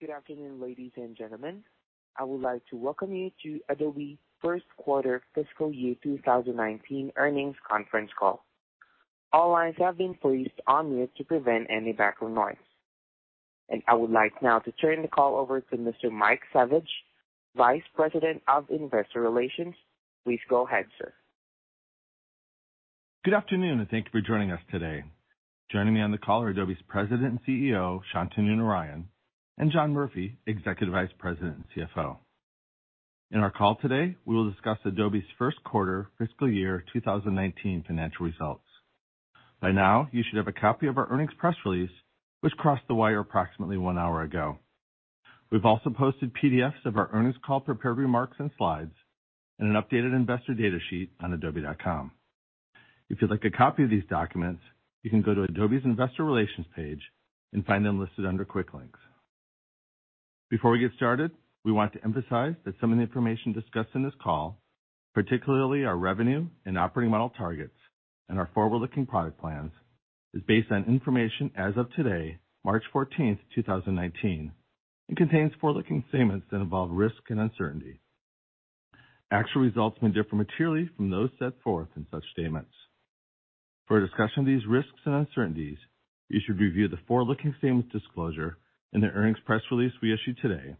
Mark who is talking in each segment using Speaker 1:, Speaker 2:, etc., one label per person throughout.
Speaker 1: Good afternoon, ladies and gentlemen. I would like to welcome you to Adobe first quarter fiscal year 2019 earnings conference call. All lines have been placed on mute to prevent any background noise. I would like now to turn the call over to Mr. Mike Saviage, Vice President of Investor Relations. Please go ahead, sir.
Speaker 2: Good afternoon. Thank you for joining us today. Joining me on the call are Adobe's President and CEO, Shantanu Narayen, and John Murphy, Executive Vice President and CFO. In our call today, we will discuss Adobe's first quarter fiscal year 2019 financial results. By now, you should have a copy of our earnings press release, which crossed the wire approximately one hour ago. We've also posted PDFs of our earnings call prepared remarks and slides, and an updated investor data sheet on adobe.com. If you'd like a copy of these documents, you can go to Adobe's investor relations page and find them listed under quick links. Before we get started, we want to emphasize that some of the information discussed in this call, particularly our revenue and operating model targets and our forward-looking product plans, is based on information as of today, March 14th, 2019, contains forward-looking statements that involve risk and uncertainty. Actual results may differ materially from those set forth in such statements. For a discussion of these risks and uncertainties, you should review the forward-looking statements disclosure in the earnings press release we issued today,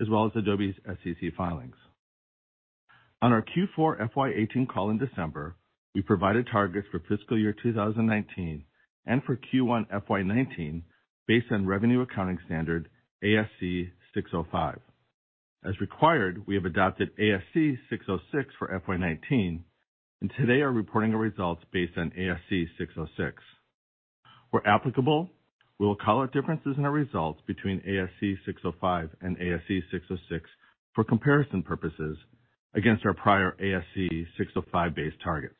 Speaker 2: as well as Adobe's SEC filings. On our Q4 FY 2018 call in December, we provided targets for fiscal year 2019 and for Q1 FY 2019 based on revenue accounting standard ASC 605. As required, we have adopted ASC 606 for FY 2019, and today are reporting our results based on ASC 606. Where applicable, we will call out differences in our results between ASC 605 and ASC 606 for comparison purposes against our prior ASC 605 base targets.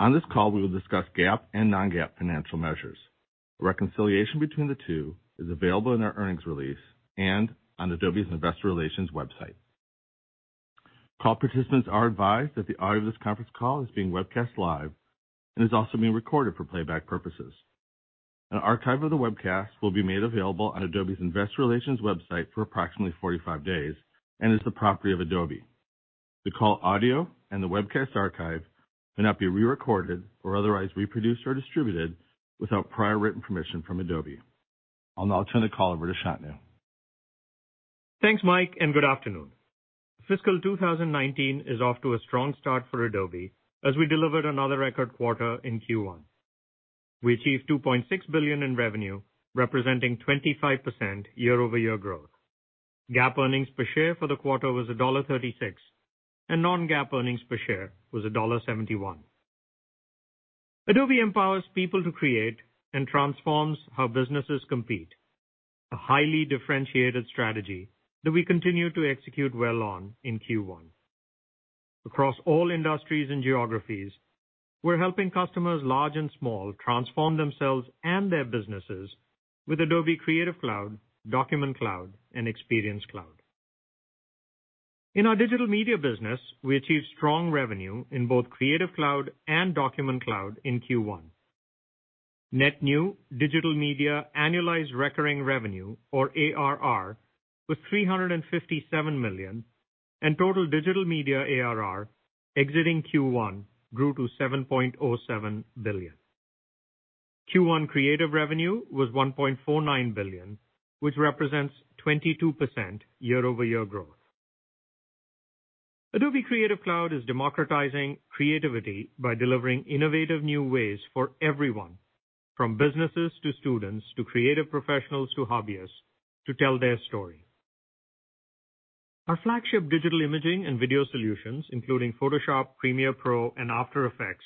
Speaker 2: On this call, we will discuss GAAP and non-GAAP financial measures. A reconciliation between the two is available in our earnings release and on Adobe's investor relations website. Call participants are advised that the audio of this conference call is being webcast live and is also being recorded for playback purposes. An archive of the webcast will be made available on Adobe's investor relations website for approximately 45 days and is the property of Adobe. The call audio and the webcast archive may not be re-recorded or otherwise reproduced or distributed without prior written permission from Adobe. I'll now turn the call over to Shantanu.
Speaker 3: Thanks, Mike, and good afternoon. Fiscal 2019 is off to a strong start for Adobe as we delivered another record quarter in Q1. We achieved $2.6 billion in revenue, representing 25% year-over-year growth. GAAP earnings per share for the quarter was $1.36, and non-GAAP earnings per share was $1.71. Adobe empowers people to create and transforms how businesses compete, a highly differentiated strategy that we continued to execute well on in Q1. Across all industries and geographies, we're helping customers large and small transform themselves and their businesses with Adobe Creative Cloud, Document Cloud, and Experience Cloud. In our digital media business, we achieved strong revenue in both Creative Cloud and Document Cloud in Q1. Net new digital media annualized recurring revenue, or ARR, was $357 million, and total digital media ARR exiting Q1 grew to $7.07 billion. Q1 creative revenue was $1.49 billion, which represents 22% year-over-year growth. Adobe Creative Cloud is democratizing creativity by delivering innovative new ways for everyone, from businesses to students to creative professionals to hobbyists, to tell their story. Our flagship digital imaging and video solutions, including Photoshop, Premiere Pro, and After Effects,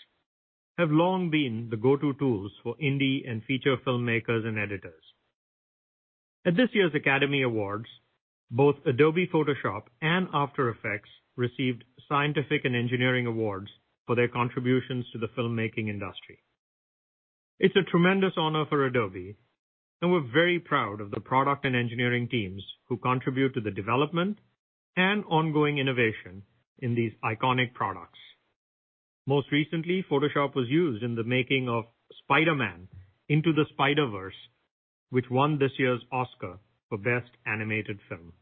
Speaker 3: have long been the go-to tools for indie and feature filmmakers and editors. At this year's Academy Awards, both Adobe Photoshop and After Effects received scientific and engineering awards for their contributions to the filmmaking industry. It's a tremendous honor for Adobe, and we're very proud of the product and engineering teams who contribute to the development and ongoing innovation in these iconic products. Most recently, Photoshop was used in the making of "Spider-Man: Into the Spider-Verse," which won this year's Oscar for Best Animated Film.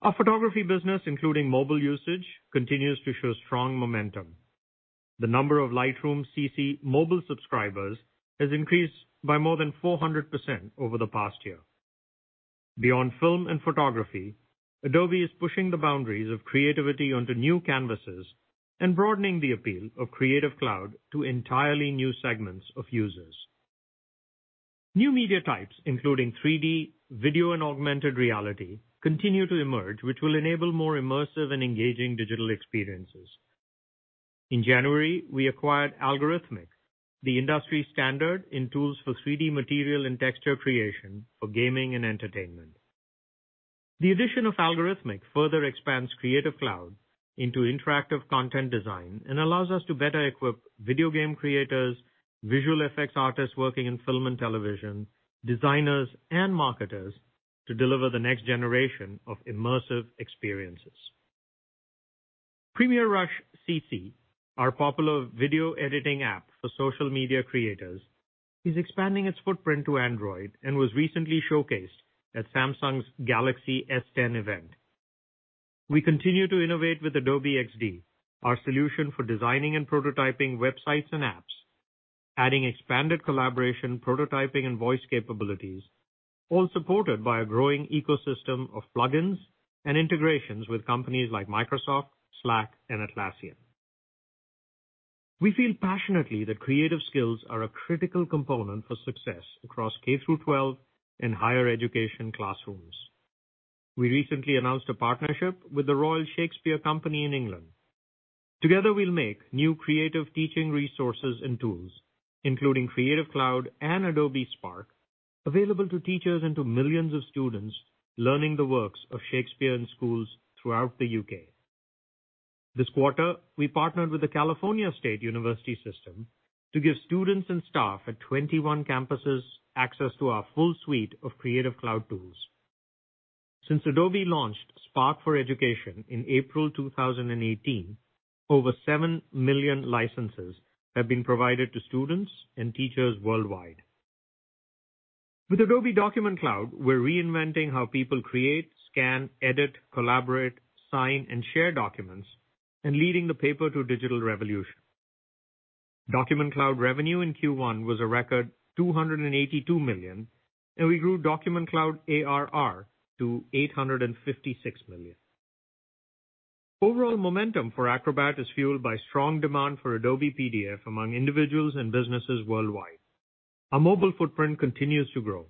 Speaker 3: Our photography business, including mobile usage, continues to show strong momentum. The number of Lightroom CC mobile subscribers has increased by more than 400% over the past year. Beyond film and photography, Adobe is pushing the boundaries of creativity onto new canvases and broadening the appeal of Creative Cloud to entirely new segments of users. New media types, including 3D, video, and augmented reality, continue to emerge, which will enable more immersive and engaging digital experiences. In January, we acquired Allegorithmic, the industry standard in tools for 3D material and texture creation for gaming and entertainment. The addition of Allegorithmic further expands Creative Cloud into interactive content design and allows us to better equip video game creators, visual effects artists working in film and television, designers, and marketers to deliver the next generation of immersive experiences. Premiere Rush CC, our popular video editing app for social media creators, is expanding its footprint to Android and was recently showcased at Samsung's Galaxy S10 event. We continue to innovate with Adobe XD, our solution for designing and prototyping websites and apps, adding expanded collaboration, prototyping, and voice capabilities, all supported by a growing ecosystem of plugins and integrations with companies like Microsoft, Slack, and Atlassian. We feel passionately that creative skills are a critical component for success across K through 12 and higher education classrooms. We recently announced a partnership with the Royal Shakespeare Company in England. Together, we'll make new creative teaching resources and tools, including Creative Cloud and Adobe Spark, available to teachers and to 7 million students learning the works of Shakespeare in schools throughout the U.K. This quarter, we partnered with the California State University system to give students and staff at 21 campuses access to our full suite of Creative Cloud tools. Since Adobe launched Spark for Education in April 2018, over 7 million licenses have been provided to students and teachers worldwide. With Adobe Document Cloud, we're reinventing how people create, scan, edit, collaborate, sign, and share documents, and leading the paper to digital revolution. Document Cloud revenue in Q1 was a record $282 million, and we grew Document Cloud ARR to $856 million. Overall momentum for Acrobat is fueled by strong demand for Adobe PDF among individuals and businesses worldwide. Our mobile footprint continues to grow.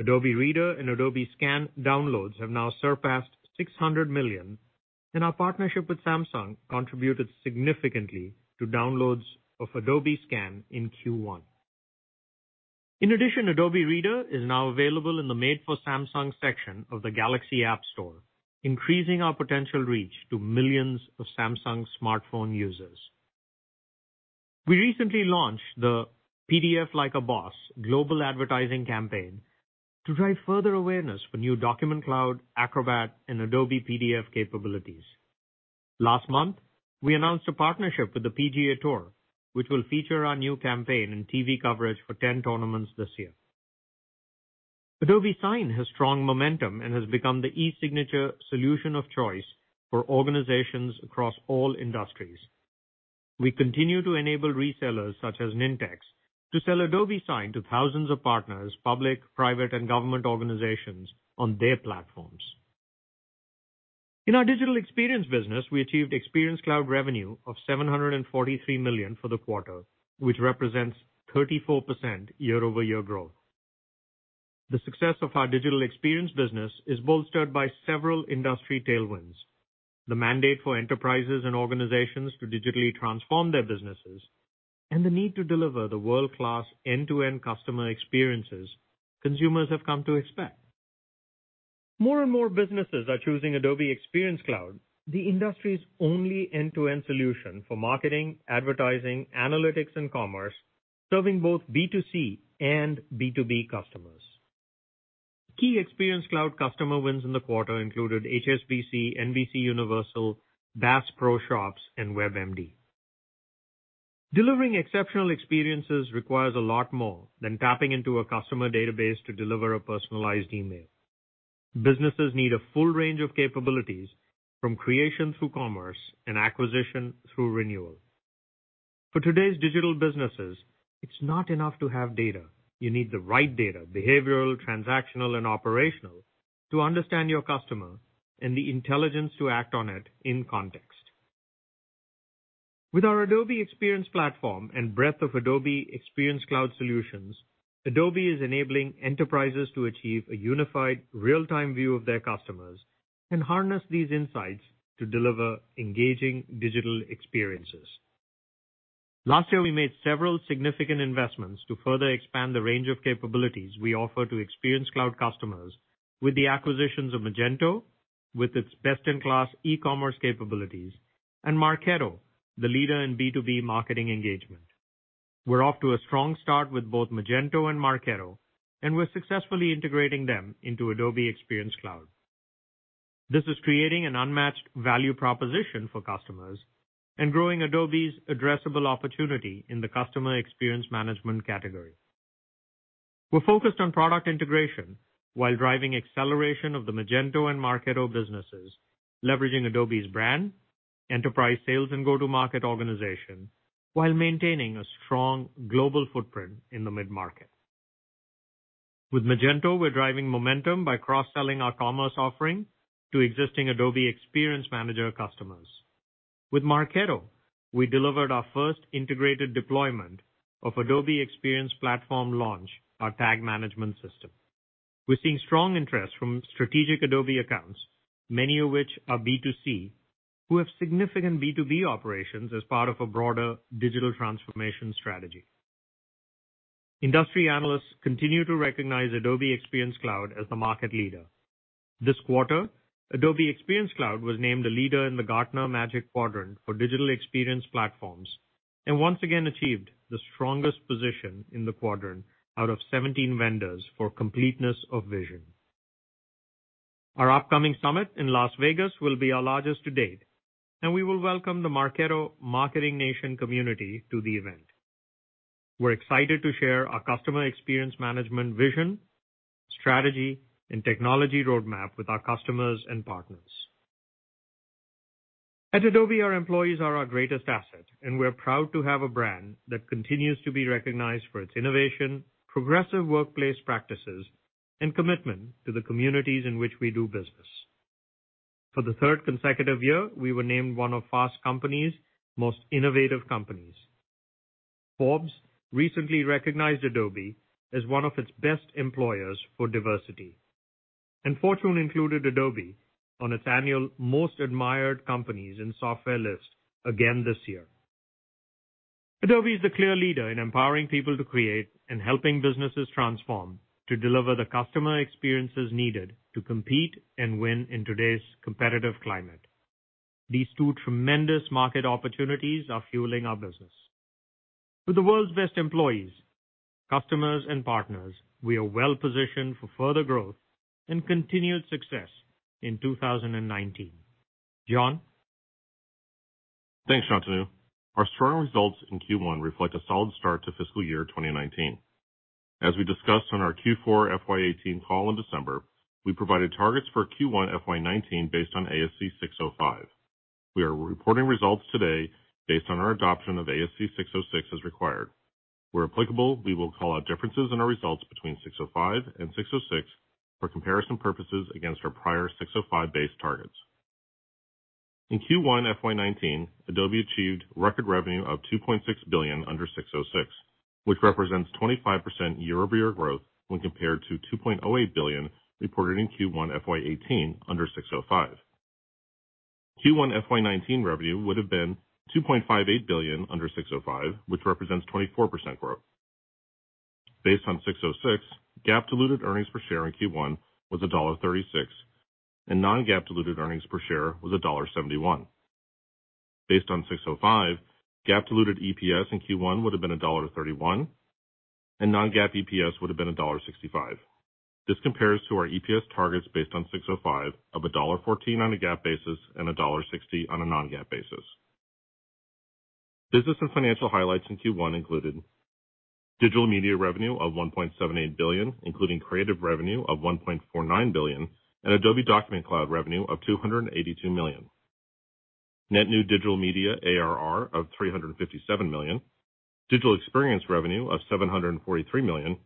Speaker 3: Adobe Reader and Adobe Scan downloads have now surpassed 600 million. Our partnership with Samsung contributed significantly to downloads of Adobe Scan in Q1. In addition, Adobe Reader is now available in the Made for Samsung section of the Galaxy App Store, increasing our potential reach to millions of Samsung smartphone users. We recently launched the PDF Like a Boss global advertising campaign to drive further awareness for new Document Cloud, Acrobat, and Adobe PDF capabilities. Last month, we announced a partnership with the PGA TOUR, which will feature our new campaign in TV coverage for 10 tournaments this year. Adobe Sign has strong momentum and has become the e-signature solution of choice for organizations across all industries. We continue to enable resellers such as Nintex to sell Adobe Sign to thousands of partners, public, private, and government organizations on their platforms. In our digital experience business, we achieved Experience Cloud revenue of $743 million for the quarter, which represents 34% year-over-year growth. The success of our digital experience business is bolstered by several industry tailwinds, the mandate for enterprises and organizations to digitally transform their businesses, and the need to deliver the world-class end-to-end customer experiences consumers have come to expect. More and more businesses are choosing Adobe Experience Cloud, the industry's only end-to-end solution for marketing, advertising, analytics, and commerce, serving both B2C and B2B customers. Key Experience Cloud customer wins in the quarter included HSBC, NBCUniversal, Bass Pro Shops, and WebMD. Delivering exceptional experiences requires a lot more than tapping into a customer database to deliver a personalized email. Businesses need a full range of capabilities from creation through commerce and acquisition through renewal. For today's digital businesses, it's not enough to have data. You need the right data, behavioral, transactional, and operational to understand your customer and the intelligence to act on it in context. With our Adobe Experience Platform and breadth of Adobe Experience Cloud solutions, Adobe is enabling enterprises to achieve a unified real-time view of their customers and harness these insights to deliver engaging digital experiences. Last year, we made several significant investments to further expand the range of capabilities we offer to Experience Cloud customers with the acquisitions of Magento, with its best-in-class e-commerce capabilities, and Marketo, the leader in B2B marketing engagement. We're off to a strong start with both Magento and Marketo. We're successfully integrating them into Adobe Experience Cloud. This is creating an unmatched value proposition for customers and growing Adobe's addressable opportunity in the customer experience management category. We're focused on product integration while driving acceleration of the Magento and Marketo businesses, leveraging Adobe's brand, enterprise sales, and go-to-market organization while maintaining a strong global footprint in the mid-market. With Magento, we're driving momentum by cross-selling our commerce offering to existing Adobe Experience Manager customers. With Marketo, we delivered our first integrated deployment of Adobe Experience Platform Launch, our tag management system. We're seeing strong interest from strategic Adobe accounts, many of which are B2C, who have significant B2B operations as part of a broader digital transformation strategy. Industry analysts continue to recognize Adobe Experience Cloud as the market leader. This quarter, Adobe Experience Cloud was named a leader in the Gartner Magic Quadrant for digital experience platforms. Once again achieved the strongest position in the quadrant out of 17 vendors for completeness of vision. Our upcoming summit in Las Vegas will be our largest to date. We will welcome the Marketo Marketing Nation community to the event. We're excited to share our customer experience management vision, strategy, and technology roadmap with our customers and partners. At Adobe, our employees are our greatest asset. We're proud to have a brand that continues to be recognized for its innovation, progressive workplace practices, and commitment to the communities in which we do business. For the third consecutive year, we were named one of Fast Company's Most Innovative Companies. Forbes recently recognized Adobe as one of its Best Employers for Diversity. Fortune included Adobe on its annual Most Admired Companies in Software list again this year. Adobe is the clear leader in empowering people to create and helping businesses transform to deliver the customer experiences needed to compete and win in today's competitive climate. These two tremendous market opportunities are fueling our business. With the world's best employees, customers, and partners, we are well-positioned for further growth and continued success in 2019. John?
Speaker 4: Thanks, Shantanu. Our strong results in Q1 reflect a solid start to fiscal year 2019. As we discussed on our Q4 FY 2018 call in December, we provided targets for Q1 FY 2019 based on ASC 605. We are reporting results today based on our adoption of ASC 606 as required. Where applicable, we will call out differences in our results between 605 and 606 for comparison purposes against our prior 605 base targets. In Q1 FY 2019, Adobe achieved record revenue of $2.6 billion under 606, which represents 25% year-over-year growth when compared to $2.08 billion reported in Q1 FY 2018 under 605. Q1 FY 2019 revenue would've been $2.58 billion under 605, which represents 24% growth. Based on 606, GAAP diluted earnings per share in Q1 was $1.36. Non-GAAP diluted earnings per share was $1.71. Based on ASC 605, GAAP diluted EPS in Q1 would've been $1.31, and non-GAAP EPS would've been $1.65. This compares to our EPS targets based on ASC 605 of $1.14 on a GAAP basis and $1.60 on a non-GAAP basis. Business and financial highlights in Q1 included Digital Media revenue of $1.78 billion, including Creative revenue of $1.49 billion, and Adobe Document Cloud revenue of $282 million. Net new Digital Media ARR of $357 million. Digital Experience revenue of $743 million.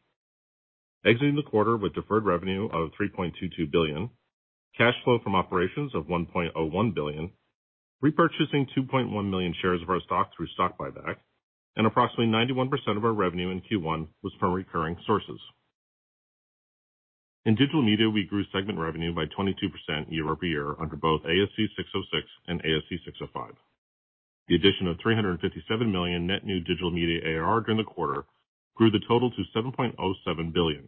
Speaker 4: Exiting the quarter with deferred revenue of $3.22 billion. Cash flow from operations of $1.01 billion. Repurchasing 2.1 million shares of our stock through stock buyback. Approximately 91% of our revenue in Q1 was from recurring sources. In Digital Media, we grew segment revenue by 22% year-over-year under both ASC 606 and ASC 605. The addition of $357 million net new Digital Media ARR during the quarter grew the total to $7.07 billion.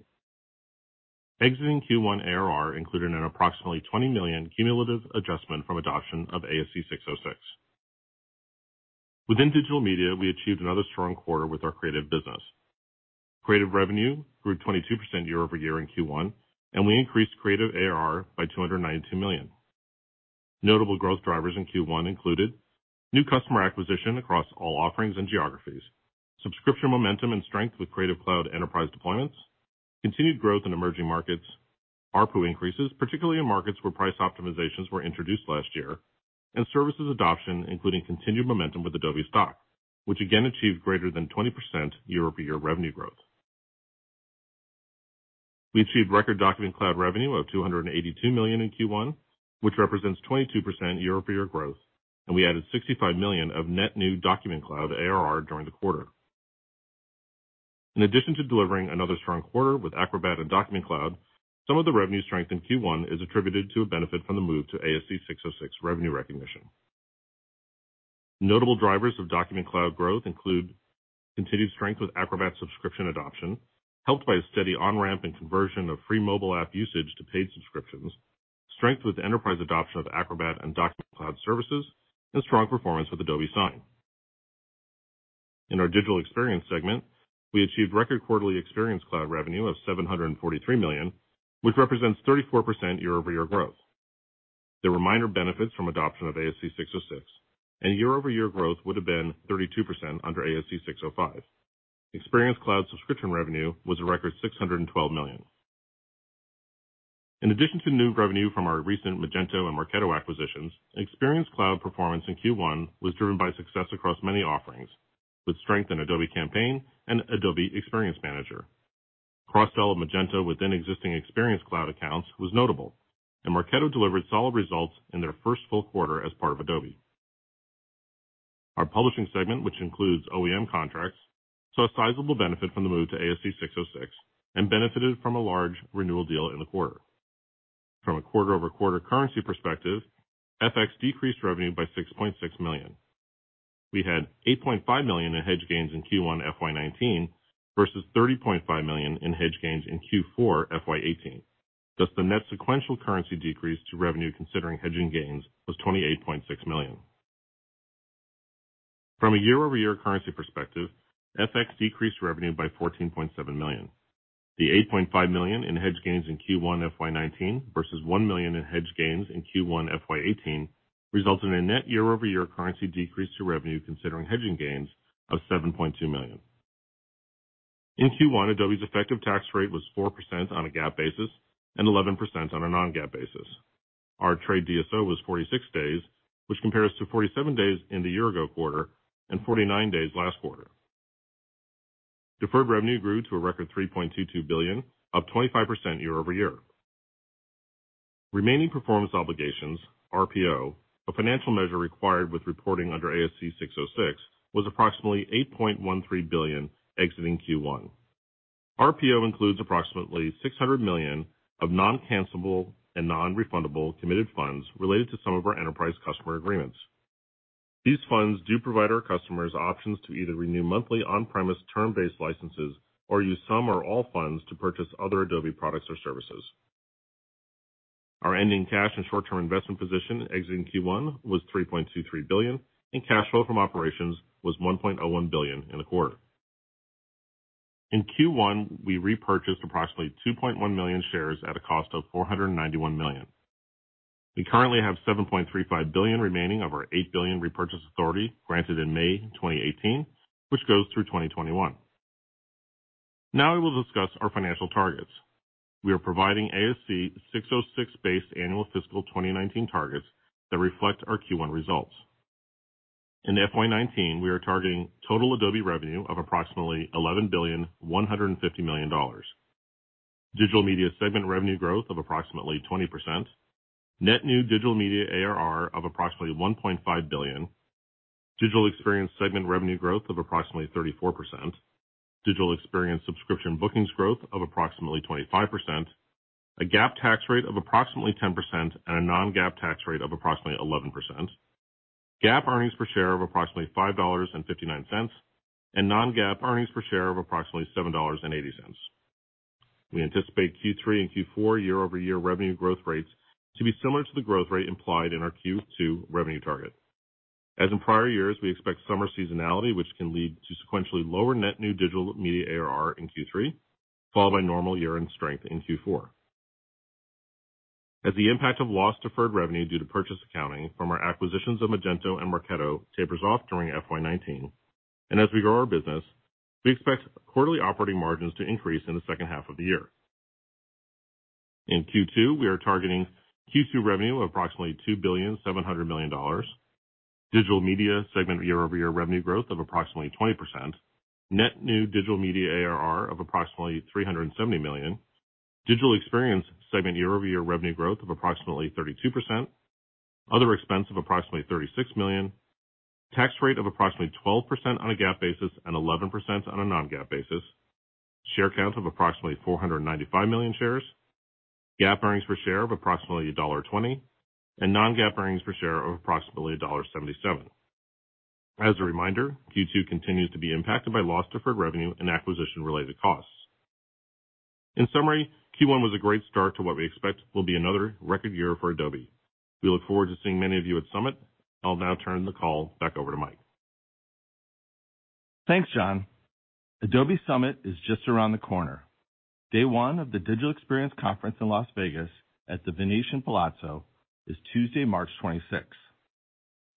Speaker 4: Exiting Q1 ARR included an approximately $20 million cumulative adjustment from adoption of ASC 606. Within Digital Media, we achieved another strong quarter with our Creative business. Creative revenue grew 22% year-over-year in Q1, and we increased Creative ARR by $292 million. Notable growth drivers in Q1 included new customer acquisition across all offerings and geographies, subscription momentum and strength with Creative Cloud enterprise deployments, continued growth in emerging markets, ARPU increases, particularly in markets where price optimizations were introduced last year, and services adoption, including continued momentum with Adobe Stock, which again achieved greater than 20% year-over-year revenue growth. We achieved record Document Cloud revenue of $282 million in Q1, which represents 22% year-over-year growth, and we added $65 million of net new Document Cloud ARR during the quarter. In addition to delivering another strong quarter with Acrobat and Document Cloud, some of the revenue strength in Q1 is attributed to a benefit from the move to ASC 606 revenue recognition. Notable drivers of Document Cloud growth include continued strength with Acrobat subscription adoption, helped by a steady on-ramp and conversion of free mobile app usage to paid subscriptions, strength with enterprise adoption of Acrobat and Document Cloud services, and strong performance with Adobe Sign. In our Digital Experience segment, we achieved record quarterly Experience Cloud revenue of $743 million, which represents 34% year-over-year growth. There were minor benefits from adoption of ASC 606, and year-over-year growth would've been 32% under ASC 605. Experience Cloud subscription revenue was a record $612 million. In addition to new revenue from our recent Magento and Marketo acquisitions, Experience Cloud performance in Q1 was driven by success across many offerings with strength in Adobe Campaign and Adobe Experience Manager. Cross-sell of Magento within existing Experience Cloud accounts was notable, and Marketo delivered solid results in their first full quarter as part of Adobe. Our Publishing segment, which includes OEM contracts, saw a sizable benefit from the move to ASC 606 and benefited from a large renewal deal in the quarter. From a quarter-over-quarter currency perspective, FX decreased revenue by $6.6 million. We had $8.5 million in hedge gains in Q1 FY 2019 versus $30.5 million in hedge gains in Q4 FY 2018, thus the net sequential currency decrease to revenue considering hedging gains was $28.6 million. From a year-over-year currency perspective, FX decreased revenue by $14.7 million. The $8.5 million in hedge gains in Q1 FY 2019 versus $1 million in hedge gains in Q1 FY 2018 resulted in a net year-over-year currency decrease to revenue considering hedging gains of $7.2 million. In Q1, Adobe's effective tax rate was 4% on a GAAP basis and 11% on a non-GAAP basis. Our trade DSO was 46 days, which compares to 47 days in the year-ago quarter and 49 days last quarter. Deferred revenue grew to a record $3.22 billion, up 25% year-over-year. Remaining performance obligations, RPO, a financial measure required with reporting under ASC 606, was approximately $8.13 billion exiting Q1. RPO includes approximately $600 million of non-cancellable and non-refundable committed funds related to some of our enterprise customer agreements. These funds do provide our customers options to either renew monthly on-premise term-based licenses or use some or all funds to purchase other Adobe products or services. Our ending cash and short-term investment position exiting Q1 was $3.23 billion, and cash flow from operations was $1.01 billion in the quarter. In Q1, we repurchased approximately 2.1 million shares at a cost of $491 million. We currently have $7.35 billion remaining of our $8 billion repurchase authority granted in May 2018, which goes through 2021. I will discuss our financial targets. We are providing ASC 606-based annual fiscal 2019 targets that reflect our Q1 results. In FY 2019, we are targeting total Adobe revenue of approximately $11.15 billion. Digital Media segment revenue growth of approximately 20%, net new Digital Media ARR of approximately $1.5 billion. Digital Experience segment revenue growth of approximately 34%. Digital Experience subscription bookings growth of approximately 25%. A GAAP tax rate of approximately 10% and a non-GAAP tax rate of approximately 11%. GAAP earnings per share of approximately $5.59, non-GAAP earnings per share of approximately $7.80. We anticipate Q3 and Q4 year-over-year revenue growth rates to be similar to the growth rate implied in our Q2 revenue target. As in prior years, we expect summer seasonality, which can lead to sequentially lower net new Digital Media ARR in Q3, followed by normal year-end strength in Q4. As the impact of lost deferred revenue due to purchase accounting from our acquisitions of Magento and Marketo tapers off during FY 2019, and as we grow our business, we expect quarterly operating margins to increase in the second half of the year. In Q2, we are targeting Q2 revenue of approximately $2.70 billion. Digital Media segment year-over-year revenue growth of approximately 20%. Net new Digital Media ARR of approximately $370 million. Digital Experience segment year-over-year revenue growth of approximately 32%. Other expense of approximately $36 million. Tax rate of approximately 12% on a GAAP basis and 11% on a non-GAAP basis. Share count of approximately 495 million shares. GAAP earnings per share of approximately $1.20. Non-GAAP earnings per share of approximately $1.77. As a reminder, Q2 continues to be impacted by lost deferred revenue and acquisition-related costs. In summary, Q1 was a great start to what we expect will be another record year for Adobe. We look forward to seeing many of you at Summit. I will now turn the call back over to Mike.
Speaker 2: Thanks, John. Adobe Summit is just around the corner. Day one of the Digital Experience Conference in Las Vegas at The Venetian Palazzo is Tuesday, March 26th.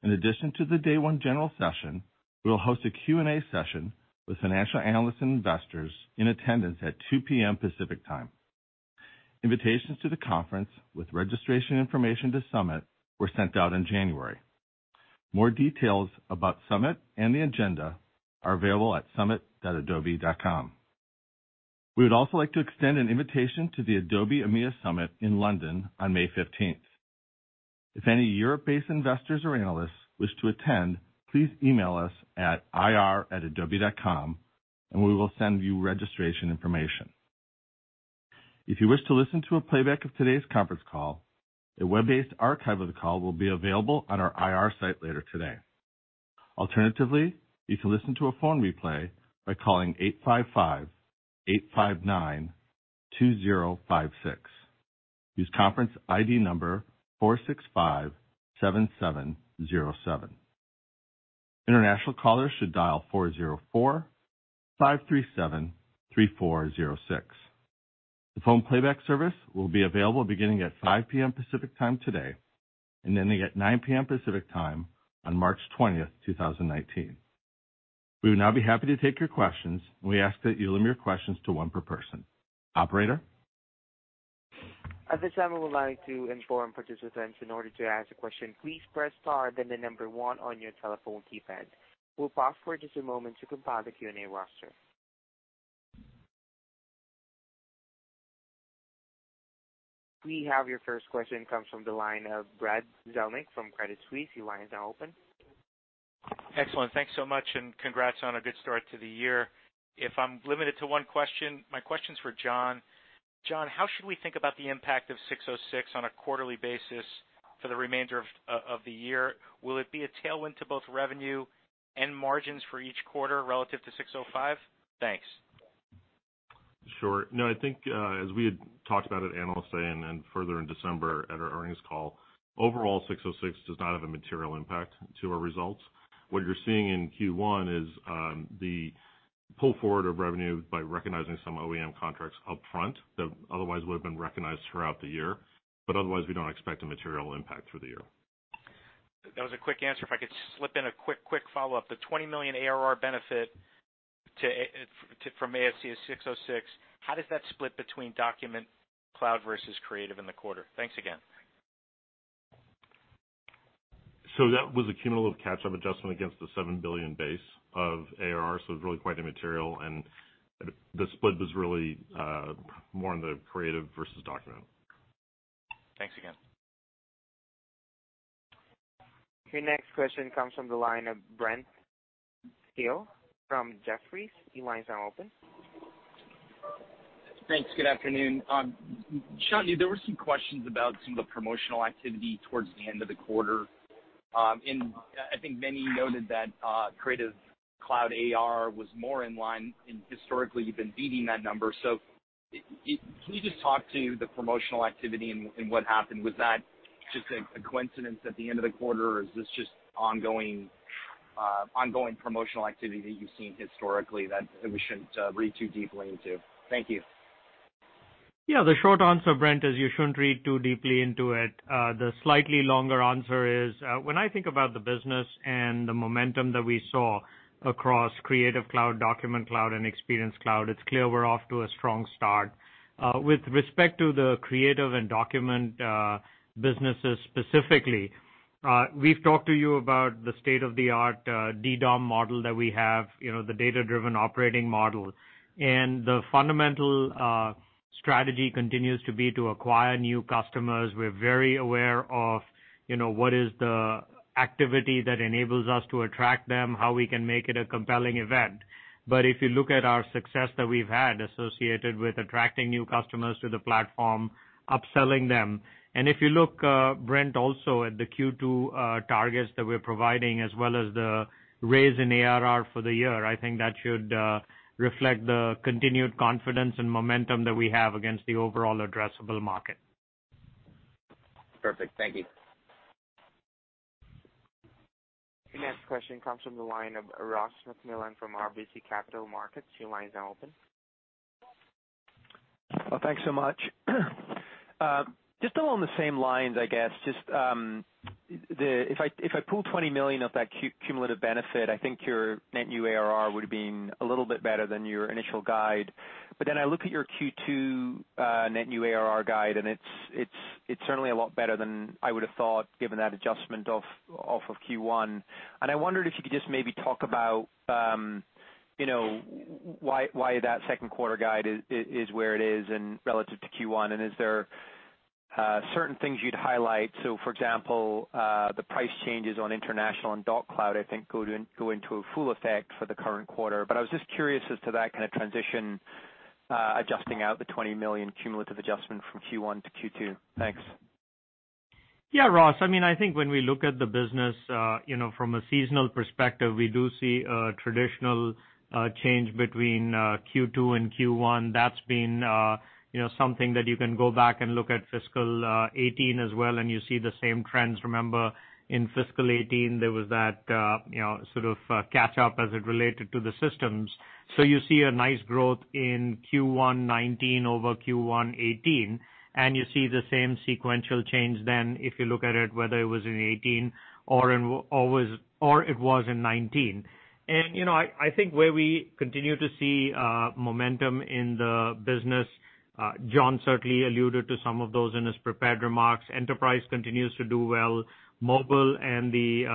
Speaker 2: In addition to the day one general session, we will host a Q&A session with financial analysts and investors in attendance at 2:00 P.M. Pacific Time. Invitations to the conference with registration information to Summit were sent out in January. More details about Summit and the agenda are available at summit.adobe.com. We would also like to extend an invitation to the Adobe EMEA Summit in London on May 15th. If any Europe-based investors or analysts wish to attend, please email us at ir@adobe.com and we will send you registration information. If you wish to listen to a playback of today's conference call, a web-based archive of the call will be available on our IR site later today. You can listen to a phone replay by calling 855-859-2056. Use conference ID number 4657707. International callers should dial 404-537-3406. The phone playback service will be available beginning at 5:00 P.M. Pacific Time today, and ending at 9:00 P.M. Pacific Time on March 20th, 2019. We would now be happy to take your questions, and we ask that you limit your questions to one per person. Operator?
Speaker 1: At this time, I would like to inform participants in order to ask a question, please press star then the number one on your telephone keypad. We'll pause for just a moment to compile the Q&A roster. We have your first question comes from the line of Brad Zelnick from Credit Suisse. Your line is now open.
Speaker 5: Excellent. Thanks so much, congrats on a good start to the year. If I'm limited to one question, my question's for John. John, how should we think about the impact of 606 on a quarterly basis for the remainder of the year? Will it be a tailwind to both revenue and margins for each quarter relative to 605? Thanks.
Speaker 4: Sure. No, I think, as we had talked about at Analyst Day and then further in December at our earnings call, overall, ASC 606 does not have a material impact to our results. What you're seeing in Q1 is the pull forward of revenue by recognizing some OEM contracts upfront that otherwise would've been recognized throughout the year. Otherwise, we don't expect a material impact through the year.
Speaker 5: That was a quick answer. If I could slip in a quick follow-up. The $20 million ARR benefit from ASC 606, how does that split between Document Cloud versus Creative in the quarter? Thanks again.
Speaker 4: That was a cumulative catch-up adjustment against the $7 billion base of ARR. It was really quite immaterial. The split was really more on the Creative versus Document.
Speaker 5: Thanks again.
Speaker 1: Your next question comes from the line of Brent Thill from Jefferies. Your line is now open.
Speaker 6: Thanks. Good afternoon. Shantanu, there were some questions about some of the promotional activity towards the end of the quarter. I think many noted that Creative Cloud ARR was more in line. Historically, you've been beating that number. Can you just talk to the promotional activity and what happened? Was that just a coincidence at the end of the quarter, or is this just ongoing promotional activity that you've seen historically that we shouldn't read too deeply into? Thank you.
Speaker 3: Yeah. The short answer, Brent, is you shouldn't read too deeply into it. The slightly longer answer is, when I think about the business and the momentum that we saw across Creative Cloud, Document Cloud, and Experience Cloud, it's clear we're off to a strong start. With respect to the Creative and Document businesses specifically, we've talked to you about the state-of-the-art DDOM model that we have, the data-driven operating model. The fundamental strategy continues to be to acquire new customers. We're very aware of what is the activity that enables us to attract them, how we can make it a compelling event. If you look at our success that we've had associated with attracting new customers to the platform, upselling them, and if you look, Brent, also at the Q2 targets that we're providing, as well as the raise in ARR for the year, I think that should reflect the continued confidence and momentum that we have against the overall addressable market.
Speaker 6: Perfect. Thank you.
Speaker 1: The next question comes from the line of Ross MacMillan from RBC Capital Markets. Your line is now open.
Speaker 7: Well, thanks so much. Just along the same lines, I guess. If I pool $20 million of that cumulative benefit, I think your net new ARR would have been a little bit better than your initial guide. I look at your Q2 net new ARR guide, and it's certainly a lot better than I would've thought, given that adjustment off of Q1. I wondered if you could just maybe talk about why that second quarter guide is where it is and relative to Q1. Is there certain things you'd highlight? For example, the price changes on international and Doc Cloud, I think, go into a full effect for the current quarter. I was just curious as to that kind of transition, adjusting out the $20 million cumulative adjustment from Q1 to Q2. Thanks.
Speaker 3: Yeah, Ross. I think when we look at the business from a seasonal perspective, we do see a traditional change between Q2 and Q1. That's been something that you can go back and look at fiscal 2018 as well. You see the same trends. Remember, in fiscal 2018, there was that sort of catch-up as it related to the systems. You see a nice growth in Q1 2019 over Q1 2018. You see the same sequential change then if you look at it, whether it was in 2018 or it was in 2019. I think where we continue to see momentum in the business, John certainly alluded to some of those in his prepared remarks. Enterprise continues to do well. Mobile and the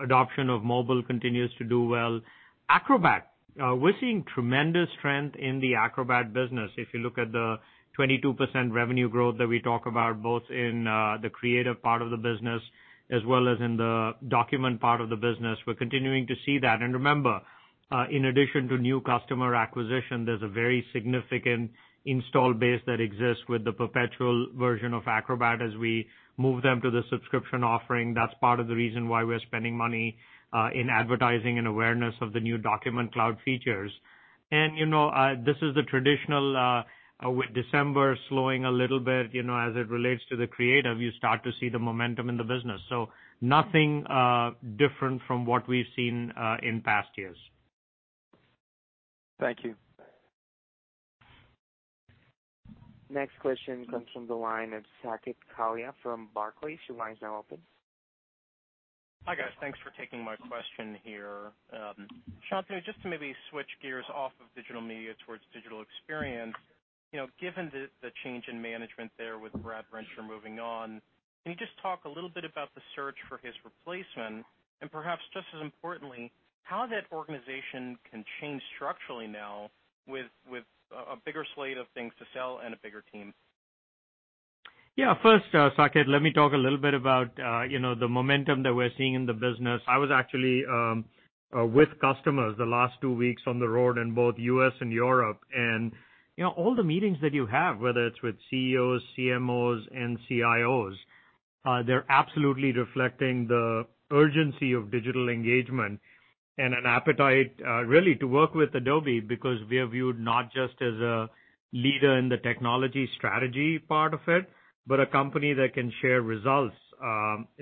Speaker 3: adoption of mobile continues to do well. Acrobat. We're seeing tremendous strength in the Acrobat business. If you look at the 22% revenue growth that we talk about, both in the Creative part of the business as well as in the Document part of the business, we're continuing to see that. Remember, in addition to new customer acquisition, there's a very significant install base that exists with the perpetual version of Acrobat as we move them to the subscription offering. That's part of the reason why we're spending money in advertising and awareness of the new Document Cloud features. This is the traditional, with December slowing a little bit, as it relates to the Creative, you start to see the momentum in the business. Nothing different from what we've seen in past years.
Speaker 7: Thank you.
Speaker 1: Next question comes from the line of Saket Kalia from Barclays. Your line's now open.
Speaker 8: Hi, guys. Thanks for taking my question here. Shantanu, just to maybe switch gears off of Digital Media towards Digital Experience. Given the change in management there with Brad Rencher moving on, can you just talk a little bit about the search for his replacement? Perhaps just as importantly, how that organization can change structurally now with a bigger slate of things to sell and a bigger team.
Speaker 3: First, Saket, let me talk a little bit about the momentum that we're seeing in the business. I was actually with customers the last two weeks on the road in both U.S. and Europe, and all the meetings that you have, whether it's with CEOs, CMOs, and CIOs. They're absolutely reflecting the urgency of digital engagement and an appetite, really to work with Adobe because we are viewed not just as a leader in the technology strategy part of it, but a company that can share results,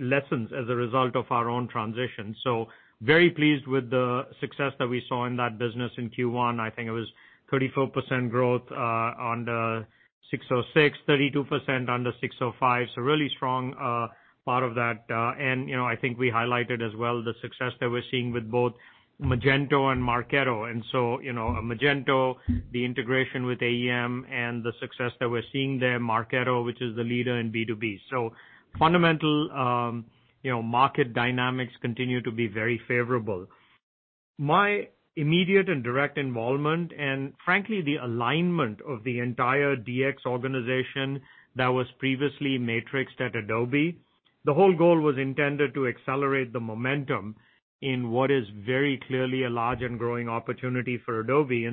Speaker 3: lessons as a result of our own transition. Very pleased with the success that we saw in that business in Q1. I think it was 34% growth on the 606, 32% on the 605. Really strong part of that. I think we highlighted as well the success that we're seeing with both Magento and Marketo. Magento, the integration with AEM, and the success that we're seeing there, Marketo, which is the leader in B2B. Fundamental market dynamics continue to be very favorable. My immediate and direct involvement, and frankly, the alignment of the entire DX organization that was previously matrixed at Adobe, the whole goal was intended to accelerate the momentum in what is very clearly a large and growing opportunity for Adobe.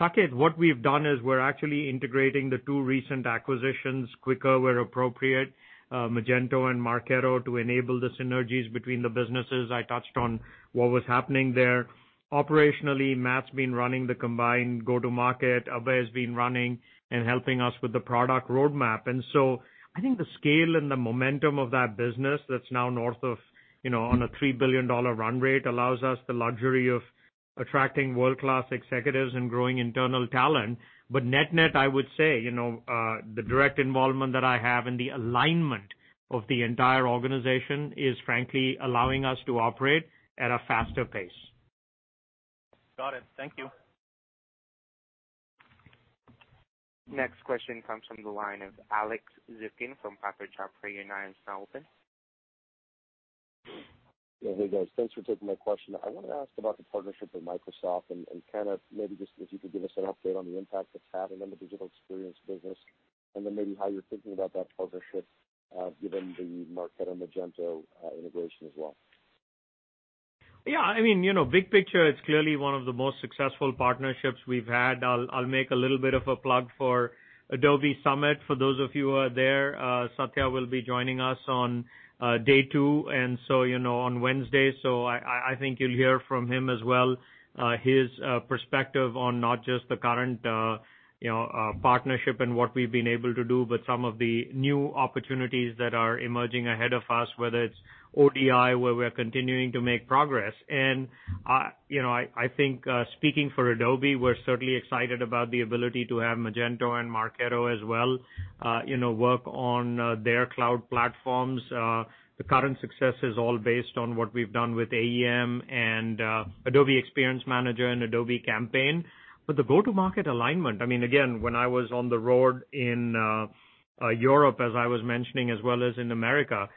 Speaker 3: Saket, what we've done is we're actually integrating the two recent acquisitions quicker where appropriate, Magento and Marketo, to enable the synergies between the businesses. I touched on what was happening there. Operationally, Matt's been running the combined go-to-market. Abhay has been running and helping us with the product roadmap. I think the scale and the momentum of that business that's now north of on a $3 billion run rate allows us the luxury of attracting world-class executives and growing internal talent. Net-net, I would say, the direct involvement that I have and the alignment of the entire organization is frankly allowing us to operate at a faster pace.
Speaker 8: Got it. Thank you.
Speaker 1: Next question comes from the line of Alex Zukin from Piper Jaffray. Your line is now open.
Speaker 9: Yeah. Hey, guys. Thanks for taking my question. I wanted to ask about the partnership with Microsoft and kind of maybe just if you could give us an update on the impact it's having on the digital experience business. Then maybe how you're thinking about that partnership given the Marketo, Magento integration as well.
Speaker 3: Yeah. Big picture, it's clearly one of the most successful partnerships we've had. I'll make a little bit of a plug for Adobe Summit for those of you who are there. Satya will be joining us on day two. So on Wednesday. I think you'll hear from him as well, his perspective on not just the current partnership and what we've been able to do, but some of the new opportunities that are emerging ahead of us, whether it's ODI, where we're continuing to make progress. I think speaking for Adobe, we're certainly excited about the ability to have Magento and Marketo as well work on their cloud platforms. The current success is all based on what we've done with AEM and Adobe Experience Manager and Adobe Campaign. The go-to-market alignment, again, when I was on the road in Europe, as I was mentioning, as well as in America,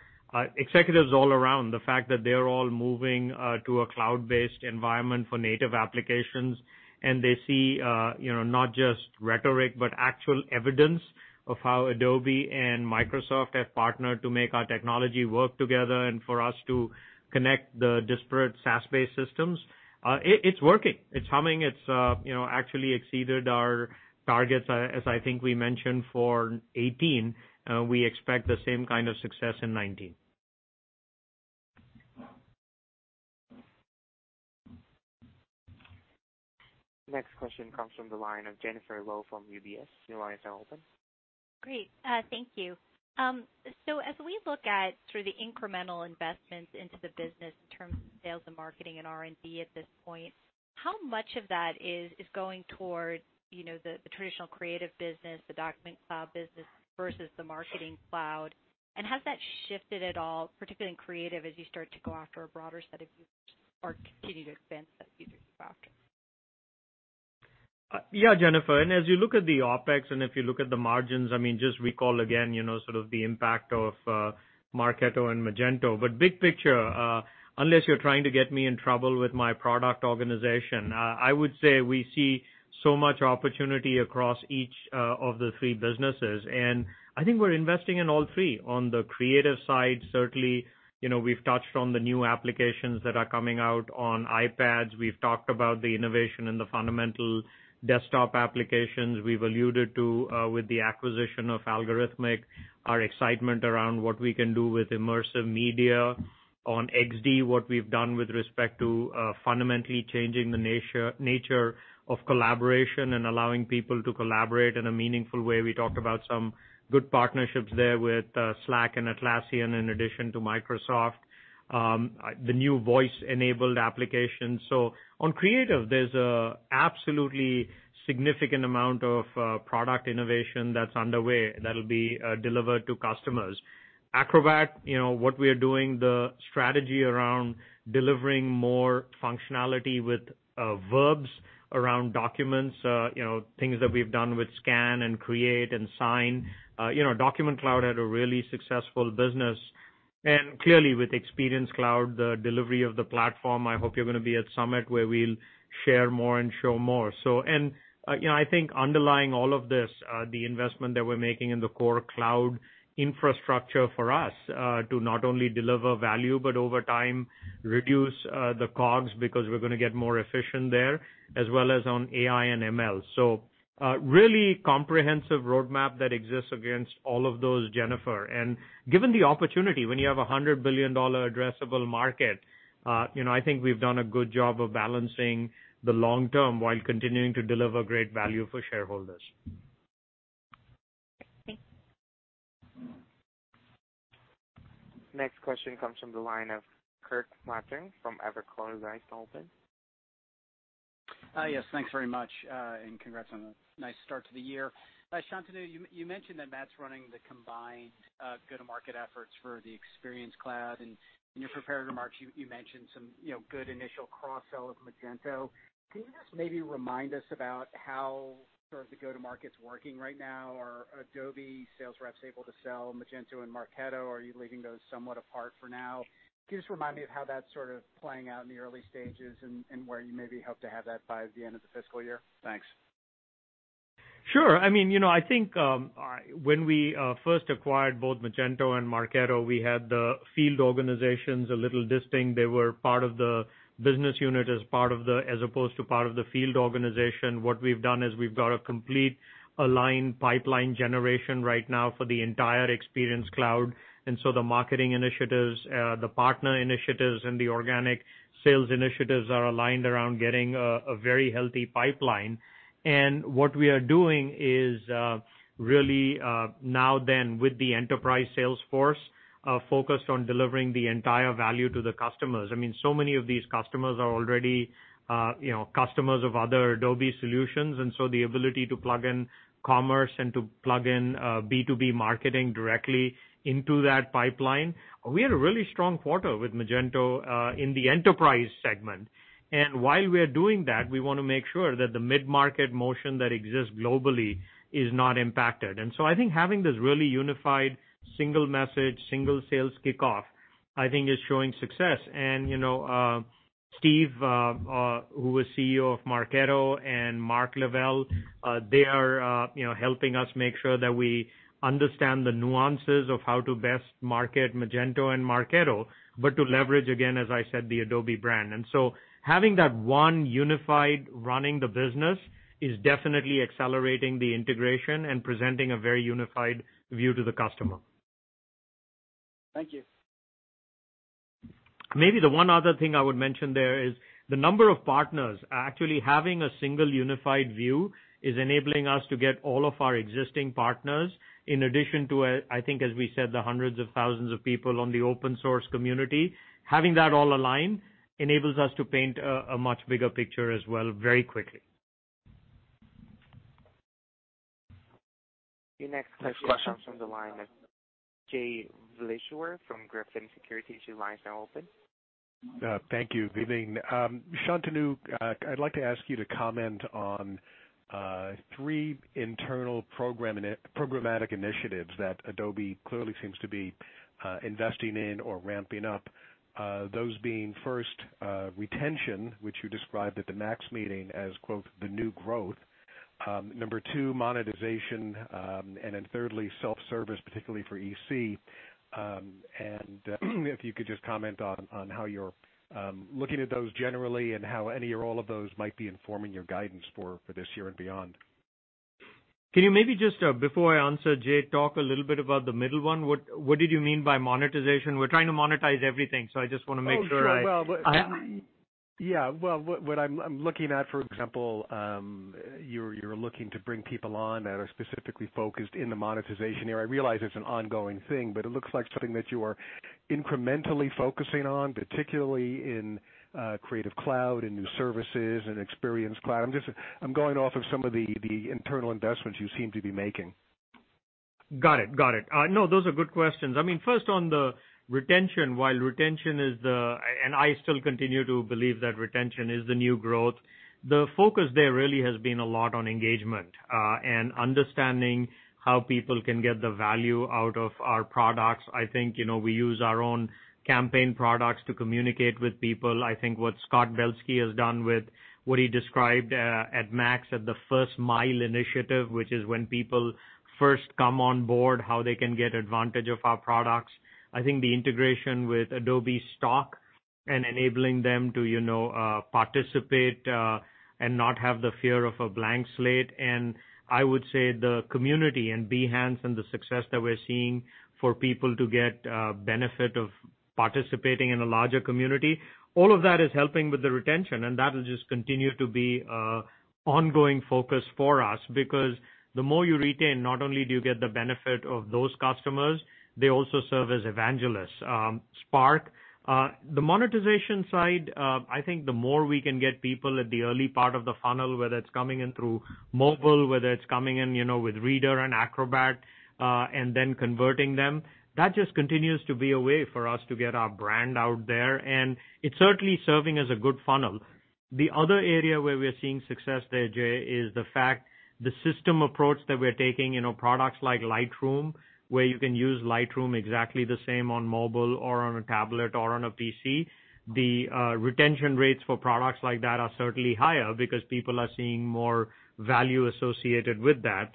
Speaker 3: executives all around the fact that they're all moving to a cloud-based environment for native applications, and they see not just rhetoric, but actual evidence of how Adobe and Microsoft have partnered to make our technology work together and for us to connect the disparate SaaS-based systems. It's working. It's humming. It's actually exceeded our targets, as I think we mentioned for 2018. We expect the same kind of success in 2019.
Speaker 1: Next question comes from the line of Jennifer Lowe from UBS. Your line is now open.
Speaker 10: Great. Thank you. As we look at sort of the incremental investments into the business in terms of sales and marketing and R&D at this point, how much of that is going towards the traditional Creative business, the Document Cloud business versus the Marketing Cloud? Has that shifted at all, particularly in Creative as you start to go after a broader set of users or continue to advance that user you're after?
Speaker 3: Yeah, Jennifer. As you look at the OpEx and if you look at the margins, just recall again sort of the impact of Marketo and Magento. Big picture, unless you're trying to get me in trouble with my product organization, I would say we see so much opportunity across each of the three businesses, and I think we're investing in all three. On the Creative side, certainly, we've touched on the new applications that are coming out on iPads. We've talked about the innovation in the fundamental desktop applications. We've alluded to, with the acquisition of Allegorithmic, our excitement around what we can do with immersive media. On XD, what we've done with respect to fundamentally changing the nature of collaboration and allowing people to collaborate in a meaningful way. We talked about some good partnerships there with Slack and Atlassian in addition to Microsoft. The new voice-enabled applications. On Creative, there's a absolutely significant amount of product innovation that's underway that'll be delivered to customers. Acrobat, what we are doing, the strategy around delivering more functionality with verbs around documents, things that we've done with Scan and create and Sign. Document Cloud had a really successful business. Clearly with Experience Cloud, the delivery of the platform, I hope you're going to be at Summit where we'll share more and show more. I think underlying all of this, the investment that we're making in the core cloud infrastructure for us to not only deliver value, but over time, reduce the cogs because we're going to get more efficient there, as well as on AI and ML. A really comprehensive roadmap that exists against all of those, Jennifer, and given the opportunity, when you have $100 billion addressable market, I think we've done a good job of balancing the long term while continuing to deliver great value for shareholders.
Speaker 10: Thank you.
Speaker 1: Next question comes from the line of Kirk Materne from Evercore ISI. Open.
Speaker 11: Yes, thanks very much, and congrats on a nice start to the year. Shantanu, you mentioned that Matt's running the combined go-to-market efforts for the Experience Cloud. In your prepared remarks, you mentioned some good initial cross-sell of Magento. Can you just maybe remind us about how the go-to-market's working right now? Are Adobe sales reps able to sell Magento and Marketo, or are you leaving those somewhat apart for now? Can you just remind me of how that's sort of playing out in the early stages and where you maybe hope to have that by the end of the fiscal year? Thanks.
Speaker 3: Sure. I think when we first acquired both Magento and Marketo, we had the field organizations a little distinct. They were part of the business unit as opposed to part of the field organization. What we've done is we've got a complete aligned pipeline generation right now for the entire Experience Cloud. The marketing initiatives, the partner initiatives, and the organic sales initiatives are aligned around getting a very healthy pipeline. What we are doing is really now then with the enterprise sales force, focused on delivering the entire value to the customers. Many of these customers are already customers of other Adobe solutions, the ability to plug in commerce and to plug in B2B marketing directly into that pipeline. We had a really strong quarter with Magento in the enterprise segment. While we are doing that, we want to make sure that the mid-market motion that exists globally is not impacted. I think having this really unified single message, single sales kickoff, I think is showing success. Steve, who was CEO of Marketo and Mark Lavelle, they are helping us make sure that we understand the nuances of how to best market Magento and Marketo. To leverage, again, as I said, the Adobe brand. Having that one unified running the business is definitely accelerating the integration and presenting a very unified view to the customer.
Speaker 11: Thank you.
Speaker 3: Maybe the one other thing I would mention there is the number of partners. Actually having a single unified view is enabling us to get all of our existing partners in addition to, I think as we said, the hundreds of thousands of people on the open source community. Having that all aligned enables us to paint a much bigger picture as well very quickly.
Speaker 1: Your next question comes from the line of Jay Vleeschhouwer from Griffin Securities. Your line is now open.
Speaker 12: Thank you. Good evening. Shantanu, I'd like to ask you to comment on three internal programmatic initiatives that Adobe clearly seems to be investing in or ramping up. Those being first, retention, which you described at the MAX meeting as, quote, "the new growth". Number two, monetization, and then thirdly, self-service, particularly for EC. If you could just comment on how you're looking at those generally and how any or all of those might be informing your guidance for this year and beyond.
Speaker 3: Can you maybe just, before I answer, Jay, talk a little bit about the middle one? What did you mean by monetization? We're trying to monetize everything. I just want to make sure.
Speaker 12: Oh, sure. Well, what I'm looking at, for example, you're looking to bring people on that are specifically focused in the monetization area. I realize it's an ongoing thing. It looks like something that you are incrementally focusing on, particularly in Creative Cloud and new services and Experience Cloud. I'm going off of some of the internal investments you seem to be making.
Speaker 3: Got it. Those are good questions. First on the retention, while I still continue to believe that retention is the new growth, the focus there really has been a lot on engagement, and understanding how people can get the value out of our products. I think we use our own Campaign products to communicate with people. I think what Scott Belsky has done with what he described at MAX at the First Mile initiative, which is when people first come on board, how they can get advantage of our products. I think the integration with Adobe Stock and enabling them to participate and not have the fear of a blank slate, the community and Behance and the success that we're seeing for people to get benefit of participating in a larger community. All of that is helping with the retention, and that will just continue to be an ongoing focus for us because the more you retain, not only do you get the benefit of those customers, they also serve as evangelists. Spark. The monetization side, I think the more we can get people at the early part of the funnel, whether it's coming in through mobile, whether it's coming in with Adobe Reader and Acrobat, and then converting them, that just continues to be a way for us to get our brand out there. It's certainly serving as a good funnel. The other area where we're seeing success there, Jay, is the fact the system approach that we're taking, products like Lightroom, where you can use Lightroom exactly the same on mobile or on a tablet or on a PC. The retention rates for products like that are certainly higher because people are seeing more value associated with that.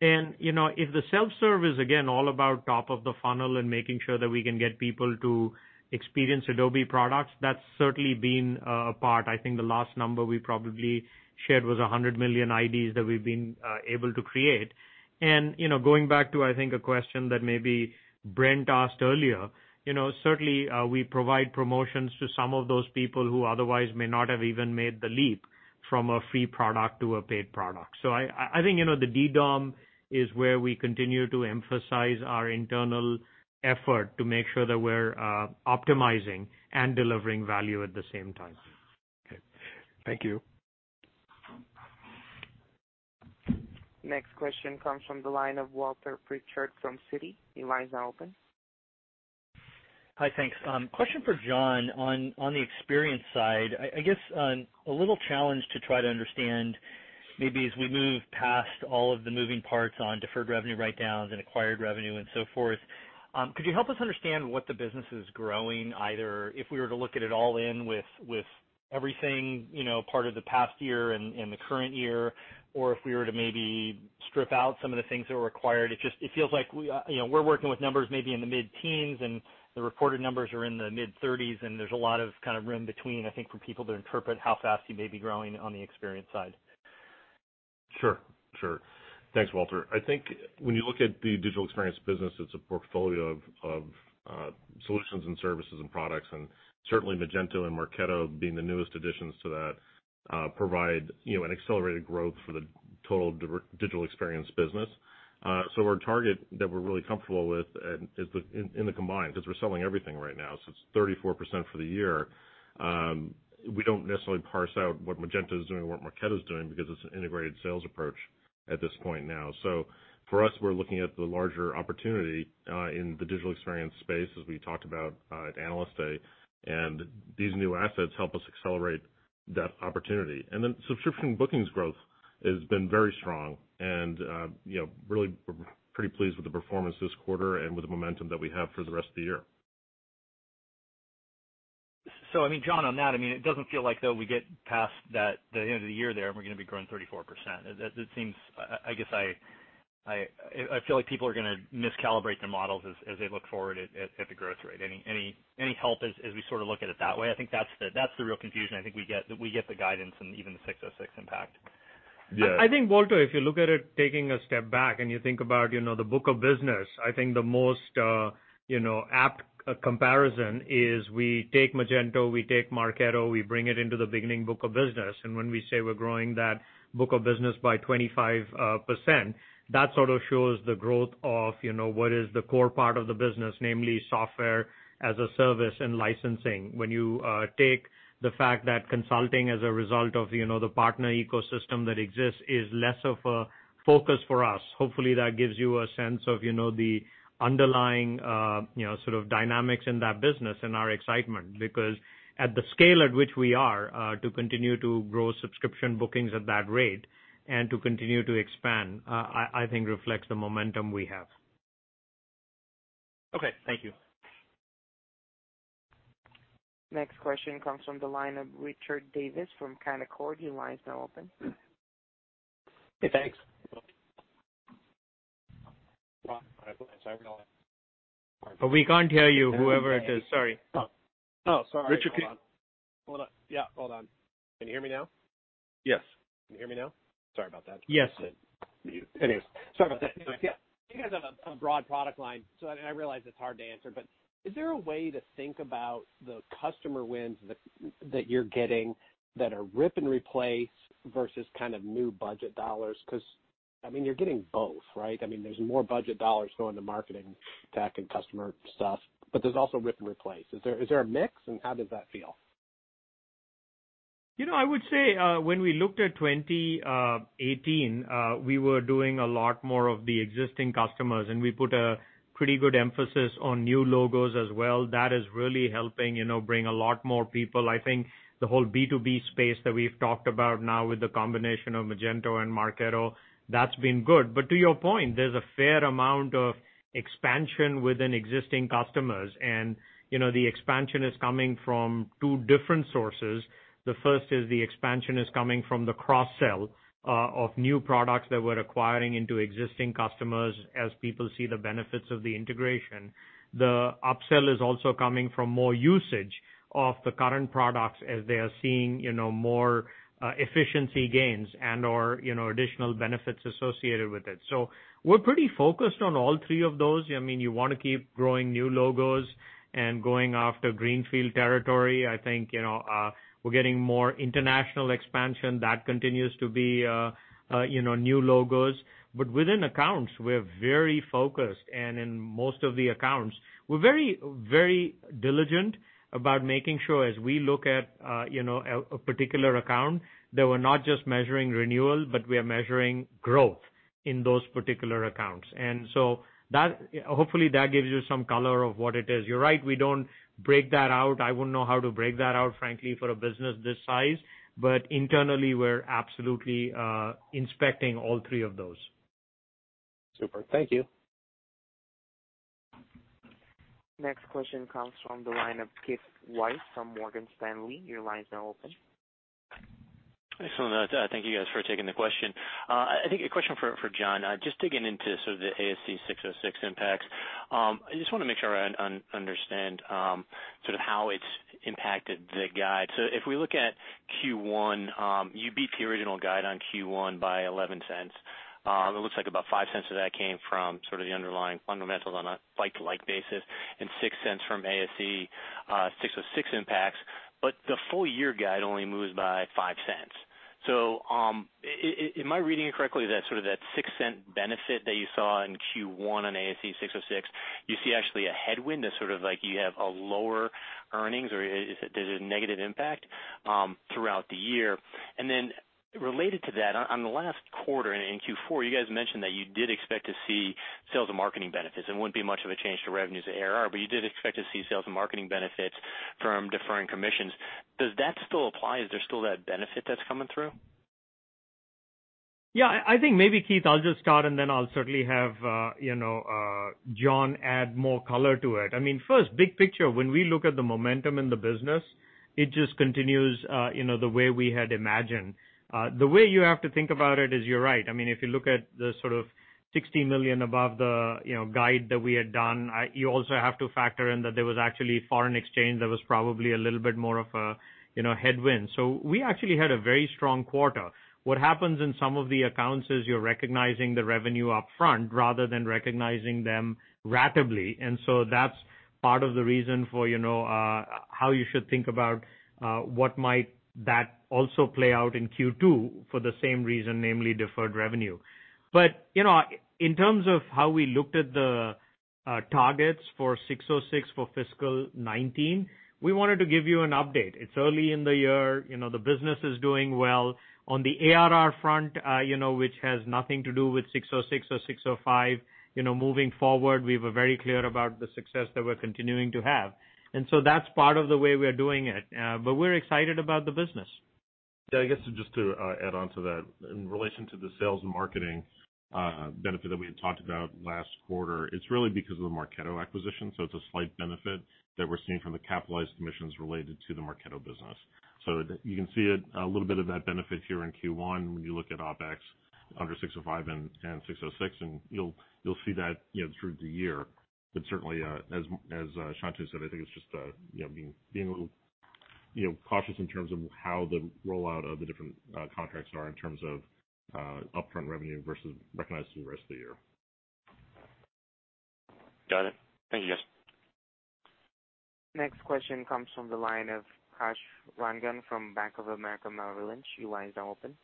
Speaker 3: If the self-serve is again all about top of the funnel and making sure that we can get people to experience Adobe products, that's certainly been a part. I think the last number we probably shared was 100 million IDs that we've been able to create. Going back to, I think, a question that maybe Brent asked earlier, certainly we provide promotions to some of those people who otherwise may not have even made the leap from a free product to a paid product. I think, the DDOM is where we continue to emphasize our internal effort to make sure that we're optimizing and delivering value at the same time.
Speaker 12: Okay. Thank you.
Speaker 1: Next question comes from the line of Walter Pritchard from Citi. Your line is now open.
Speaker 13: Hi. Thanks. Question for John on the Experience side. I guess, a little challenge to try to understand maybe as we move past all of the moving parts on deferred revenue write-downs and acquired revenue and so forth. Could you help us understand what the business is growing, either if we were to look at it all in with everything, part of the past year and the current year, or if we were to maybe strip out some of the things that were acquired. It feels like we're working with numbers maybe in the mid-teens, and the reported numbers are in the mid-thirties, and there's a lot of room between, I think, for people to interpret how fast you may be growing on the Experience side.
Speaker 4: Sure. Thanks, Walter. I think when you look at the Digital Experience business, it's a portfolio of solutions and services and products, and certainly Magento and Marketo being the newest additions to that, provide an accelerated growth for the total Digital Experience business. Our target that we're really comfortable with is in the combined, because we're selling everything right now. It's 34% for the year. We don't necessarily parse out what Magento is doing and what Marketo's doing because it's an integrated sales approach at this point now. For us, we're looking at the larger opportunity, in the Digital Experience space as we talked about at Analyst Day, and these new assets help us accelerate that opportunity. Subscription bookings growth has been very strong, and really, we're pretty pleased with the performance this quarter and with the momentum that we have for the rest of the year.
Speaker 13: John, on that, it doesn't feel like though we get past that, the end of the year there, we're going to be growing 34%. It seems, I guess I feel like people are going to miscalibrate their models as they look forward at the growth rate. Any help as we sort of look at it that way? I think that's the real confusion I think we get, that we get the guidance and even the 606 impact.
Speaker 4: Yeah.
Speaker 3: Walter, if you look at it, taking a step back, you think about the book of business, I think the most apt comparison is we take Magento, we take Marketo, we bring it into the beginning book of business, when we say we're growing that book of business by 25%, that sort of shows the growth of what is the core part of the business, namely software as a service and licensing. You take the fact that consulting as a result of the partner ecosystem that exists is less of a focus for us. Hopefully, that gives you a sense of the underlying sort of dynamics in that business and our excitement. At the scale at which we are, to continue to grow subscription bookings at that rate and to continue to expand, I think reflects the momentum we have.
Speaker 13: Okay. Thank you.
Speaker 1: Next question comes from the line of Richard Davis from Canaccord. Your line is now open.
Speaker 14: Hey, thanks.
Speaker 3: We can't hear you, whoever it is. Sorry.
Speaker 14: Oh, sorry.
Speaker 3: Richard,
Speaker 14: Hold on. Yeah, hold on. Can you hear me now?
Speaker 4: Yes.
Speaker 14: Can you hear me now? Sorry about that.
Speaker 3: Yes.
Speaker 14: Mute. Anyways, sorry about that. Yeah. You guys have a broad product line, so, and I realize it's hard to answer, but is there a way to think about the customer wins that you're getting that are rip-and-replace versus kind of new budget dollars? Because you're getting both, right? There's more budget dollars going to marketing tech and customer stuff, but there's also rip and replace. Is there a mix, and how does that feel?
Speaker 3: I would say, when we looked at 2018, we were doing a lot more of the existing customers, and we put a pretty good emphasis on new logos as well. That is really helping bring a lot more people. I think the whole B2B space that we've talked about now with the combination of Magento and Marketo, that's been good. To your point, there's a fair amount of expansion within existing customers, and the expansion is coming from two different sources. The first is the expansion is coming from the cross-sell, of new products that we're acquiring into existing customers as people see the benefits of the integration. The upsell is also coming from more usage of the current products as they are seeing more efficiency gains and/or additional benefits associated with it. We're pretty focused on all three of those. You want to keep growing new logos and going after greenfield territory. I think we're getting more international expansion. That continues to be new logos. Within accounts, we're very focused, and in most of the accounts, we're very diligent about making sure as we look at a particular account, that we're not just measuring renewal, but we are measuring growth in those particular accounts. Hopefully that gives you some color of what it is. You're right, we don't break that out. I wouldn't know how to break that out, frankly, for a business this size. Internally, we're absolutely inspecting all three of those.
Speaker 14: Super. Thank you.
Speaker 1: Next question comes from the line of Keith Weiss from Morgan Stanley. Your line is now open.
Speaker 15: Excellent. Thank you guys for taking the question. I think a question for John, just digging into sort of the ASC 606 impacts. I just want to make sure I understand sort of how it's impacted the guide. If we look at Q1, you beat the original guide on Q1 by $0.11. It looks like about $0.05 of that came from sort of the underlying fundamentals on a like-to-like basis and $0.06 from ASC 606 impacts. The full-year guide only moves by $0.05. Am I reading it correctly that sort of that $0.06 benefit that you saw in Q1 on ASC 606, you see actually a headwind as sort of like you have a lower earnings? Or is it there's a negative impact throughout the year? Related to that, on the last quarter in Q4, you guys mentioned that you did expect to see sales and marketing benefits, it wouldn't be much of a change to revenues ARR, but you did expect to see sales and marketing benefits from deferring commissions. Does that still apply? Is there still that benefit that's coming through?
Speaker 3: Yeah, I think maybe, Keith, I'll just start I'll certainly have John add more color to it. First, big picture, when we look at the momentum in the business, it just continues the way we had imagined. The way you have to think about it is you're right. If you look at the sort of $60 million above the guide that we had done, you also have to factor in that there was actually foreign exchange that was probably a little bit more of a headwind. We actually had a very strong quarter. What happens in some of the accounts is you're recognizing the revenue upfront rather than recognizing them ratably, that's part of the reason for how you should think about what might that also play out in Q2 for the same reason, namely deferred revenue. In terms of how we looked at the targets for 606 for fiscal 2019, we wanted to give you an update. It's early in the year, the business is doing well. On the ARR front, which has nothing to do with 606 or 605, moving forward, we were very clear about the success that we're continuing to have. That's part of the way we are doing it. We're excited about the business.
Speaker 4: Yeah, I guess just to add on to that. In relation to the sales and marketing benefit that we had talked about last quarter, it's really because of the Marketo acquisition, it's a slight benefit that we're seeing from the capitalized commissions related to the Marketo business. You can see a little bit of that benefit here in Q1 when you look at OpEx under 605 and 606, you'll see that through the year. Certainly, as Shantanu said, I think it's just being a little cautious in terms of how the rollout of the different contracts are in terms of upfront revenue versus recognized through the rest of the year.
Speaker 15: Got it. Thank you, guys.
Speaker 1: Next question comes from the line of Kash Rangan from Bank of America Merrill Lynch. Your line is now open.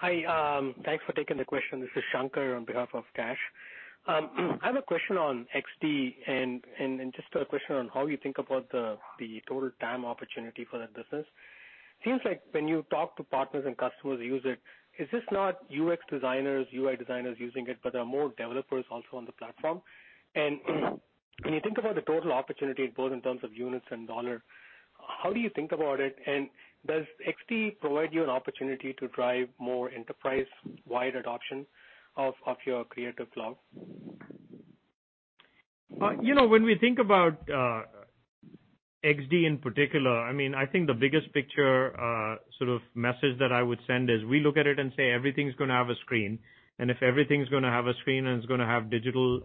Speaker 16: Hi, thanks for taking the question. This is Shankar on behalf of Kash. I have a question on XD and just a question on how you think about the total TAM opportunity for that business. Seems like when you talk to partners and customers who use it, is this not UX designers, UI designers using it, but there are more developers also on the platform? When you think about the total opportunity, both in terms of units and dollar, how do you think about it? Does XD provide you an opportunity to drive more enterprise-wide adoption of your Creative Cloud?
Speaker 3: When we think about XD in particular, I think the biggest picture sort of message that I would send is we look at it and say everything's going to have a screen. If everything's going to have a screen, and it's going to have digital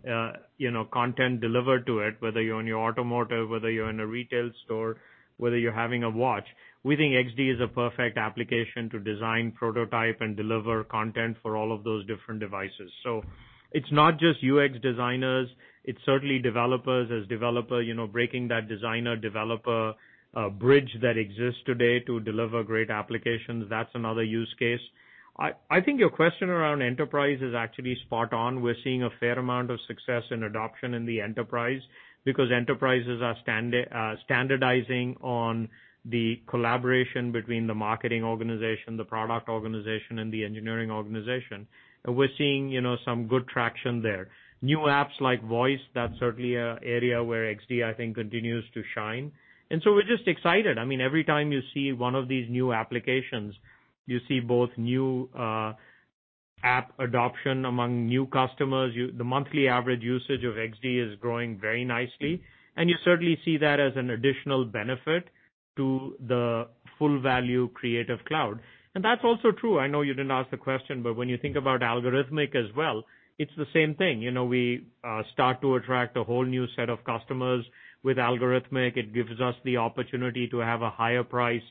Speaker 3: content delivered to it, whether you own your automotive, whether you own a retail store, whether you're having a watch, we think XD is a perfect application to design, prototype, and deliver content for all of those different devices. It's not just UX designers, it's certainly developers. As developer, breaking that designer-developer bridge that exists today to deliver great applications, that's another use case. I think your question around enterprise is actually spot on. We're seeing a fair amount of success in adoption in the enterprise because enterprises are standardizing on the collaboration between the marketing organization, the product organization, and the engineering organization. We're seeing some good traction there. New apps like Voice, that's certainly an area where XD, I think, continues to shine. We're just excited. Every time you see one of these new applications, you see both new app adoption among new customers. The monthly average usage of XD is growing very nicely, and you certainly see that as an additional benefit to the full value Creative Cloud. That's also true, I know you didn't ask the question, but when you think about Allegorithmic as well, it's the same thing. We start to attract a whole new set of customers with Allegorithmic. It gives us the opportunity to have a higher priced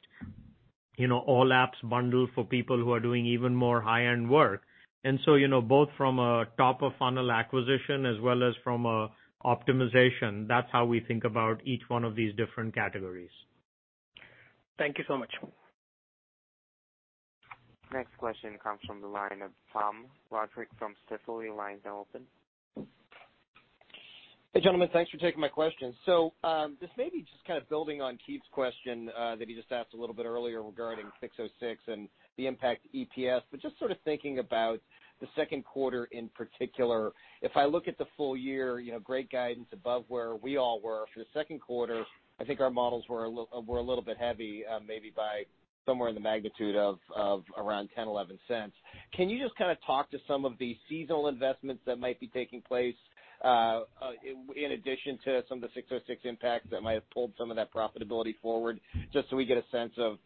Speaker 3: all apps bundle for people who are doing even more high-end work. Both from a top of funnel acquisition as well as from a optimization, that's how we think about each one of these different categories.
Speaker 16: Thank you so much.
Speaker 1: Next question comes from the line of Tom Roderick from Stifel. Your line is now open.
Speaker 17: Hey, gentlemen, thanks for taking my question. This may be just kind of building on Keith's question that he just asked a little bit earlier regarding 606 and the impact to EPS. Just sort of thinking about the second quarter in particular, if I look at the full year, great guidance above where we all were for the second quarter, I think our models were a little bit heavy, maybe by somewhere in the magnitude of around $0.10, $0.11. Can you just kind of talk to some of the seasonal investments that might be taking place, in addition to some of the 606 impacts that might have pulled some of that profitability forward, just so we get a sense of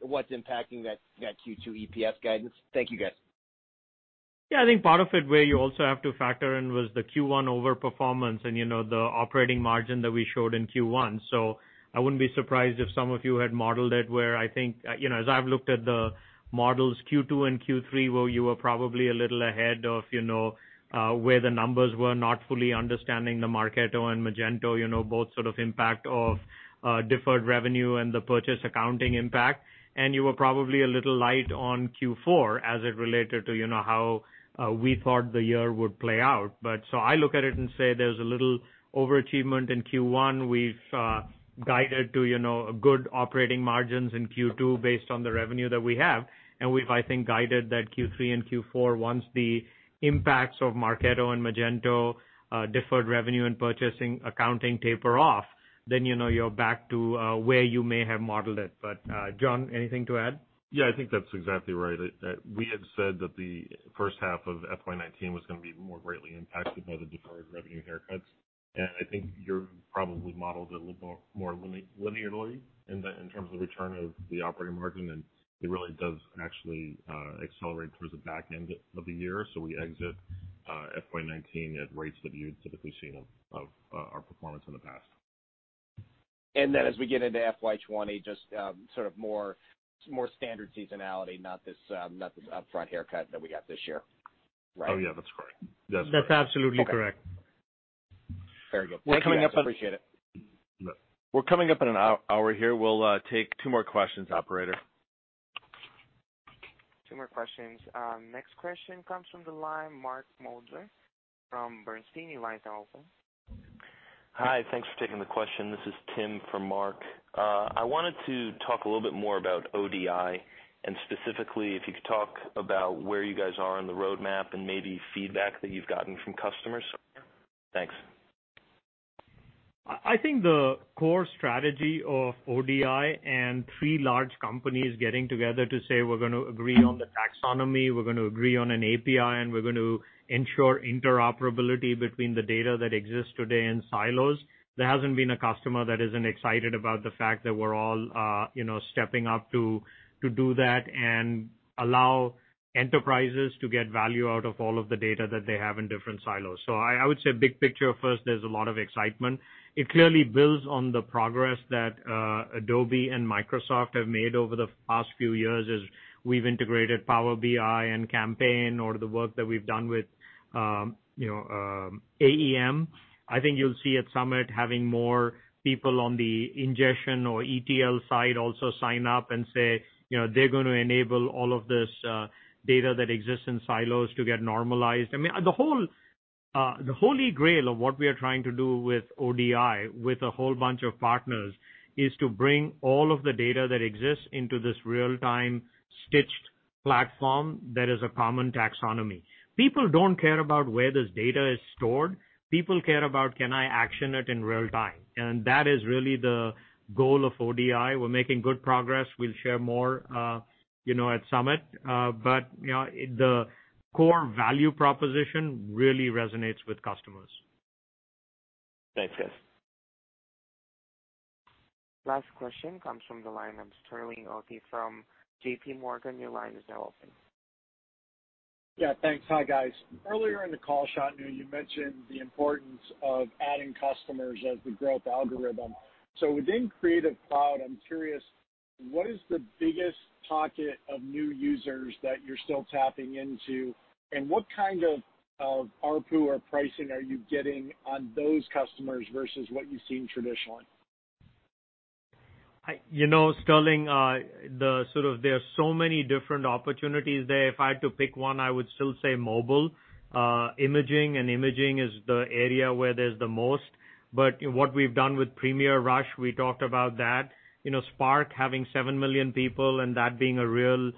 Speaker 17: what's impacting that Q2 EPS guidance? Thank you, guys.
Speaker 3: Yeah, I think part of it where you also have to factor in was the Q1 overperformance and the operating margin that we showed in Q1. I wouldn't be surprised if some of you had modeled it where I think, as I've looked at the models Q2 and Q3, where you were probably a little ahead of where the numbers were not fully understanding the Marketo and Magento, both sort of impact of deferred revenue and the purchase accounting impact. You were probably a little light on Q4 as it related to how we thought the year would play out. I look at it and say there's a little overachievement in Q1. We've guided to good operating margins in Q2 based on the revenue that we have, and we've, I think, guided that Q3 and Q4, once the impacts of Marketo and Magento, deferred revenue and purchase accounting taper off, then you're back to where you may have modeled it. John, anything to add?
Speaker 4: Yeah, I think that's exactly right. We had said that the first half of FY 2019 was going to be more greatly impacted by the deferred revenue haircuts. I think you probably modeled it a little more linearly in terms of return of the operating margin, and it really does actually accelerate towards the back end of the year. We exit FY 2019 at rates that you've typically seen of our performance in the past.
Speaker 17: As we get into FY 2020, just sort of more standard seasonality, not this upfront haircut that we got this year, right?
Speaker 4: Oh, yeah. That's correct.
Speaker 3: That's absolutely correct.
Speaker 17: Very good.
Speaker 4: Coming up.
Speaker 17: Appreciate it.
Speaker 2: We're coming up on an hour here. We'll take two more questions, operator.
Speaker 1: Two more questions. Next question comes from the line of Mark Moerdler from Bernstein. Your line is now open.
Speaker 18: Hi. Thanks for taking the question. This is Tim from Bernstein. I wanted to talk a little bit more about ODI, and specifically if you could talk about where you guys are on the roadmap and maybe feedback that you've gotten from customers. Thanks.
Speaker 3: I think the core strategy of ODI and three large companies getting together to say we're going to agree on the taxonomy, we're going to agree on an API, and we're going to ensure interoperability between the data that exists today in silos. There hasn't been a customer that isn't excited about the fact that we're all stepping up to do that and allow enterprises to get value out of all of the data that they have in different silos. I would say big picture first, there's a lot of excitement. It clearly builds on the progress that Adobe and Microsoft have made over the past few years as we've integrated Power BI and Campaign or the work that we've done with AEM. I think you'll see at Summit having more people on the ingestion or ETL side also sign up and say, they're going to enable all of this data that exists in silos to get normalized. I mean, the holy grail of what we are trying to do with ODI, with a whole bunch of partners is to bring all of the data that exists into this real-time stitched platform that is a common taxonomy. People don't care about where this data is stored. People care about can I action it in real time? That is really the goal of ODI. We're making good progress. We'll share more at Summit. The core value proposition really resonates with customers.
Speaker 18: Thanks, guys.
Speaker 1: Last question comes from the line of Sterling Auty from J.P. Morgan. Your line is now open.
Speaker 19: Yeah, thanks. Hi, guys. Earlier in the call, Shantanu, you mentioned the importance of adding customers as the growth algorithm. Within Creative Cloud, I'm curious, what is the biggest pocket of new users that you're still tapping into, and what kind of ARPU or pricing are you getting on those customers versus what you've seen traditionally?
Speaker 3: Sterling, there are so many different opportunities there. If I had to pick one, I would still say mobile. Imaging and imaging is the area where there's the most. What we've done with Premiere Rush, we talked about that. Spark having 7 million people and that being a real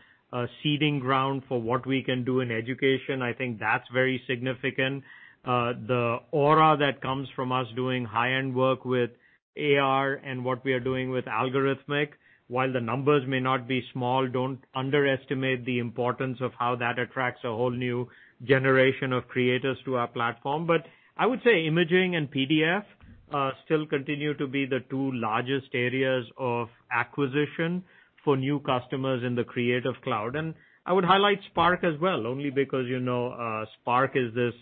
Speaker 3: seeding ground for what we can do in education, I think that's very significant. The aura that comes from us doing high-end work with AR and what we are doing with Allegorithmic, while the numbers may not be small, don't underestimate the importance of how that attracts a whole new generation of creators to our platform. I would say imaging and PDF still continue to be the two largest areas of acquisition for new customers in the Creative Cloud. I would highlight Spark as well, only because Spark is this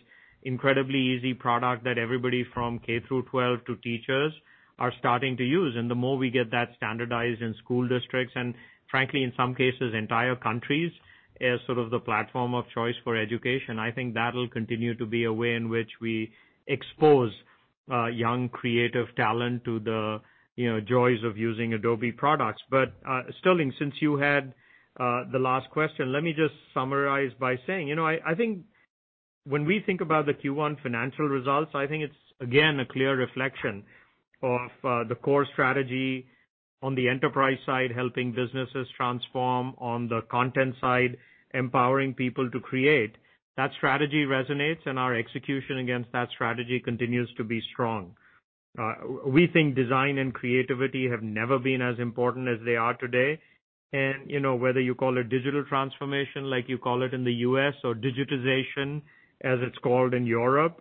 Speaker 3: incredibly easy product that everybody from K through 12 to teachers are starting to use. The more we get that standardized in school districts, and frankly, in some cases, entire countries as sort of the platform of choice for education, I think that'll continue to be a way in which we expose young creative talent to the joys of using Adobe products. Sterling, since you had the last question, let me just summarize by saying, I think when we think about the Q1 financial results, I think it's, again, a clear reflection of the core strategy on the enterprise side, helping businesses transform on the content side, empowering people to create. That strategy resonates, and our execution against that strategy continues to be strong. We think design and creativity have never been as important as they are today. Whether you call it digital transformation like you call it in the U.S. or digitization as it's called in Europe,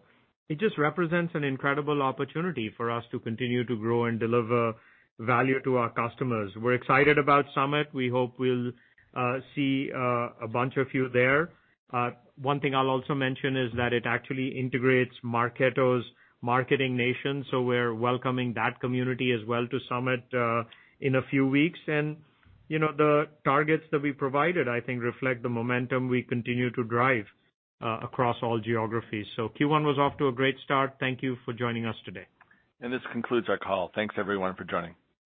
Speaker 3: it just represents an incredible opportunity for us to continue to grow and deliver value to our customers. We're excited about Summit. We hope we'll see a bunch of you there. One thing I'll also mention is that it actually integrates Marketo's Marketing Nation, so we're welcoming that community as well to Summit in a few weeks. The targets that we provided, I think reflect the momentum we continue to drive across all geographies. Q1 was off to a great start. Thank you for joining us today.
Speaker 4: This concludes our call. Thanks everyone for joining.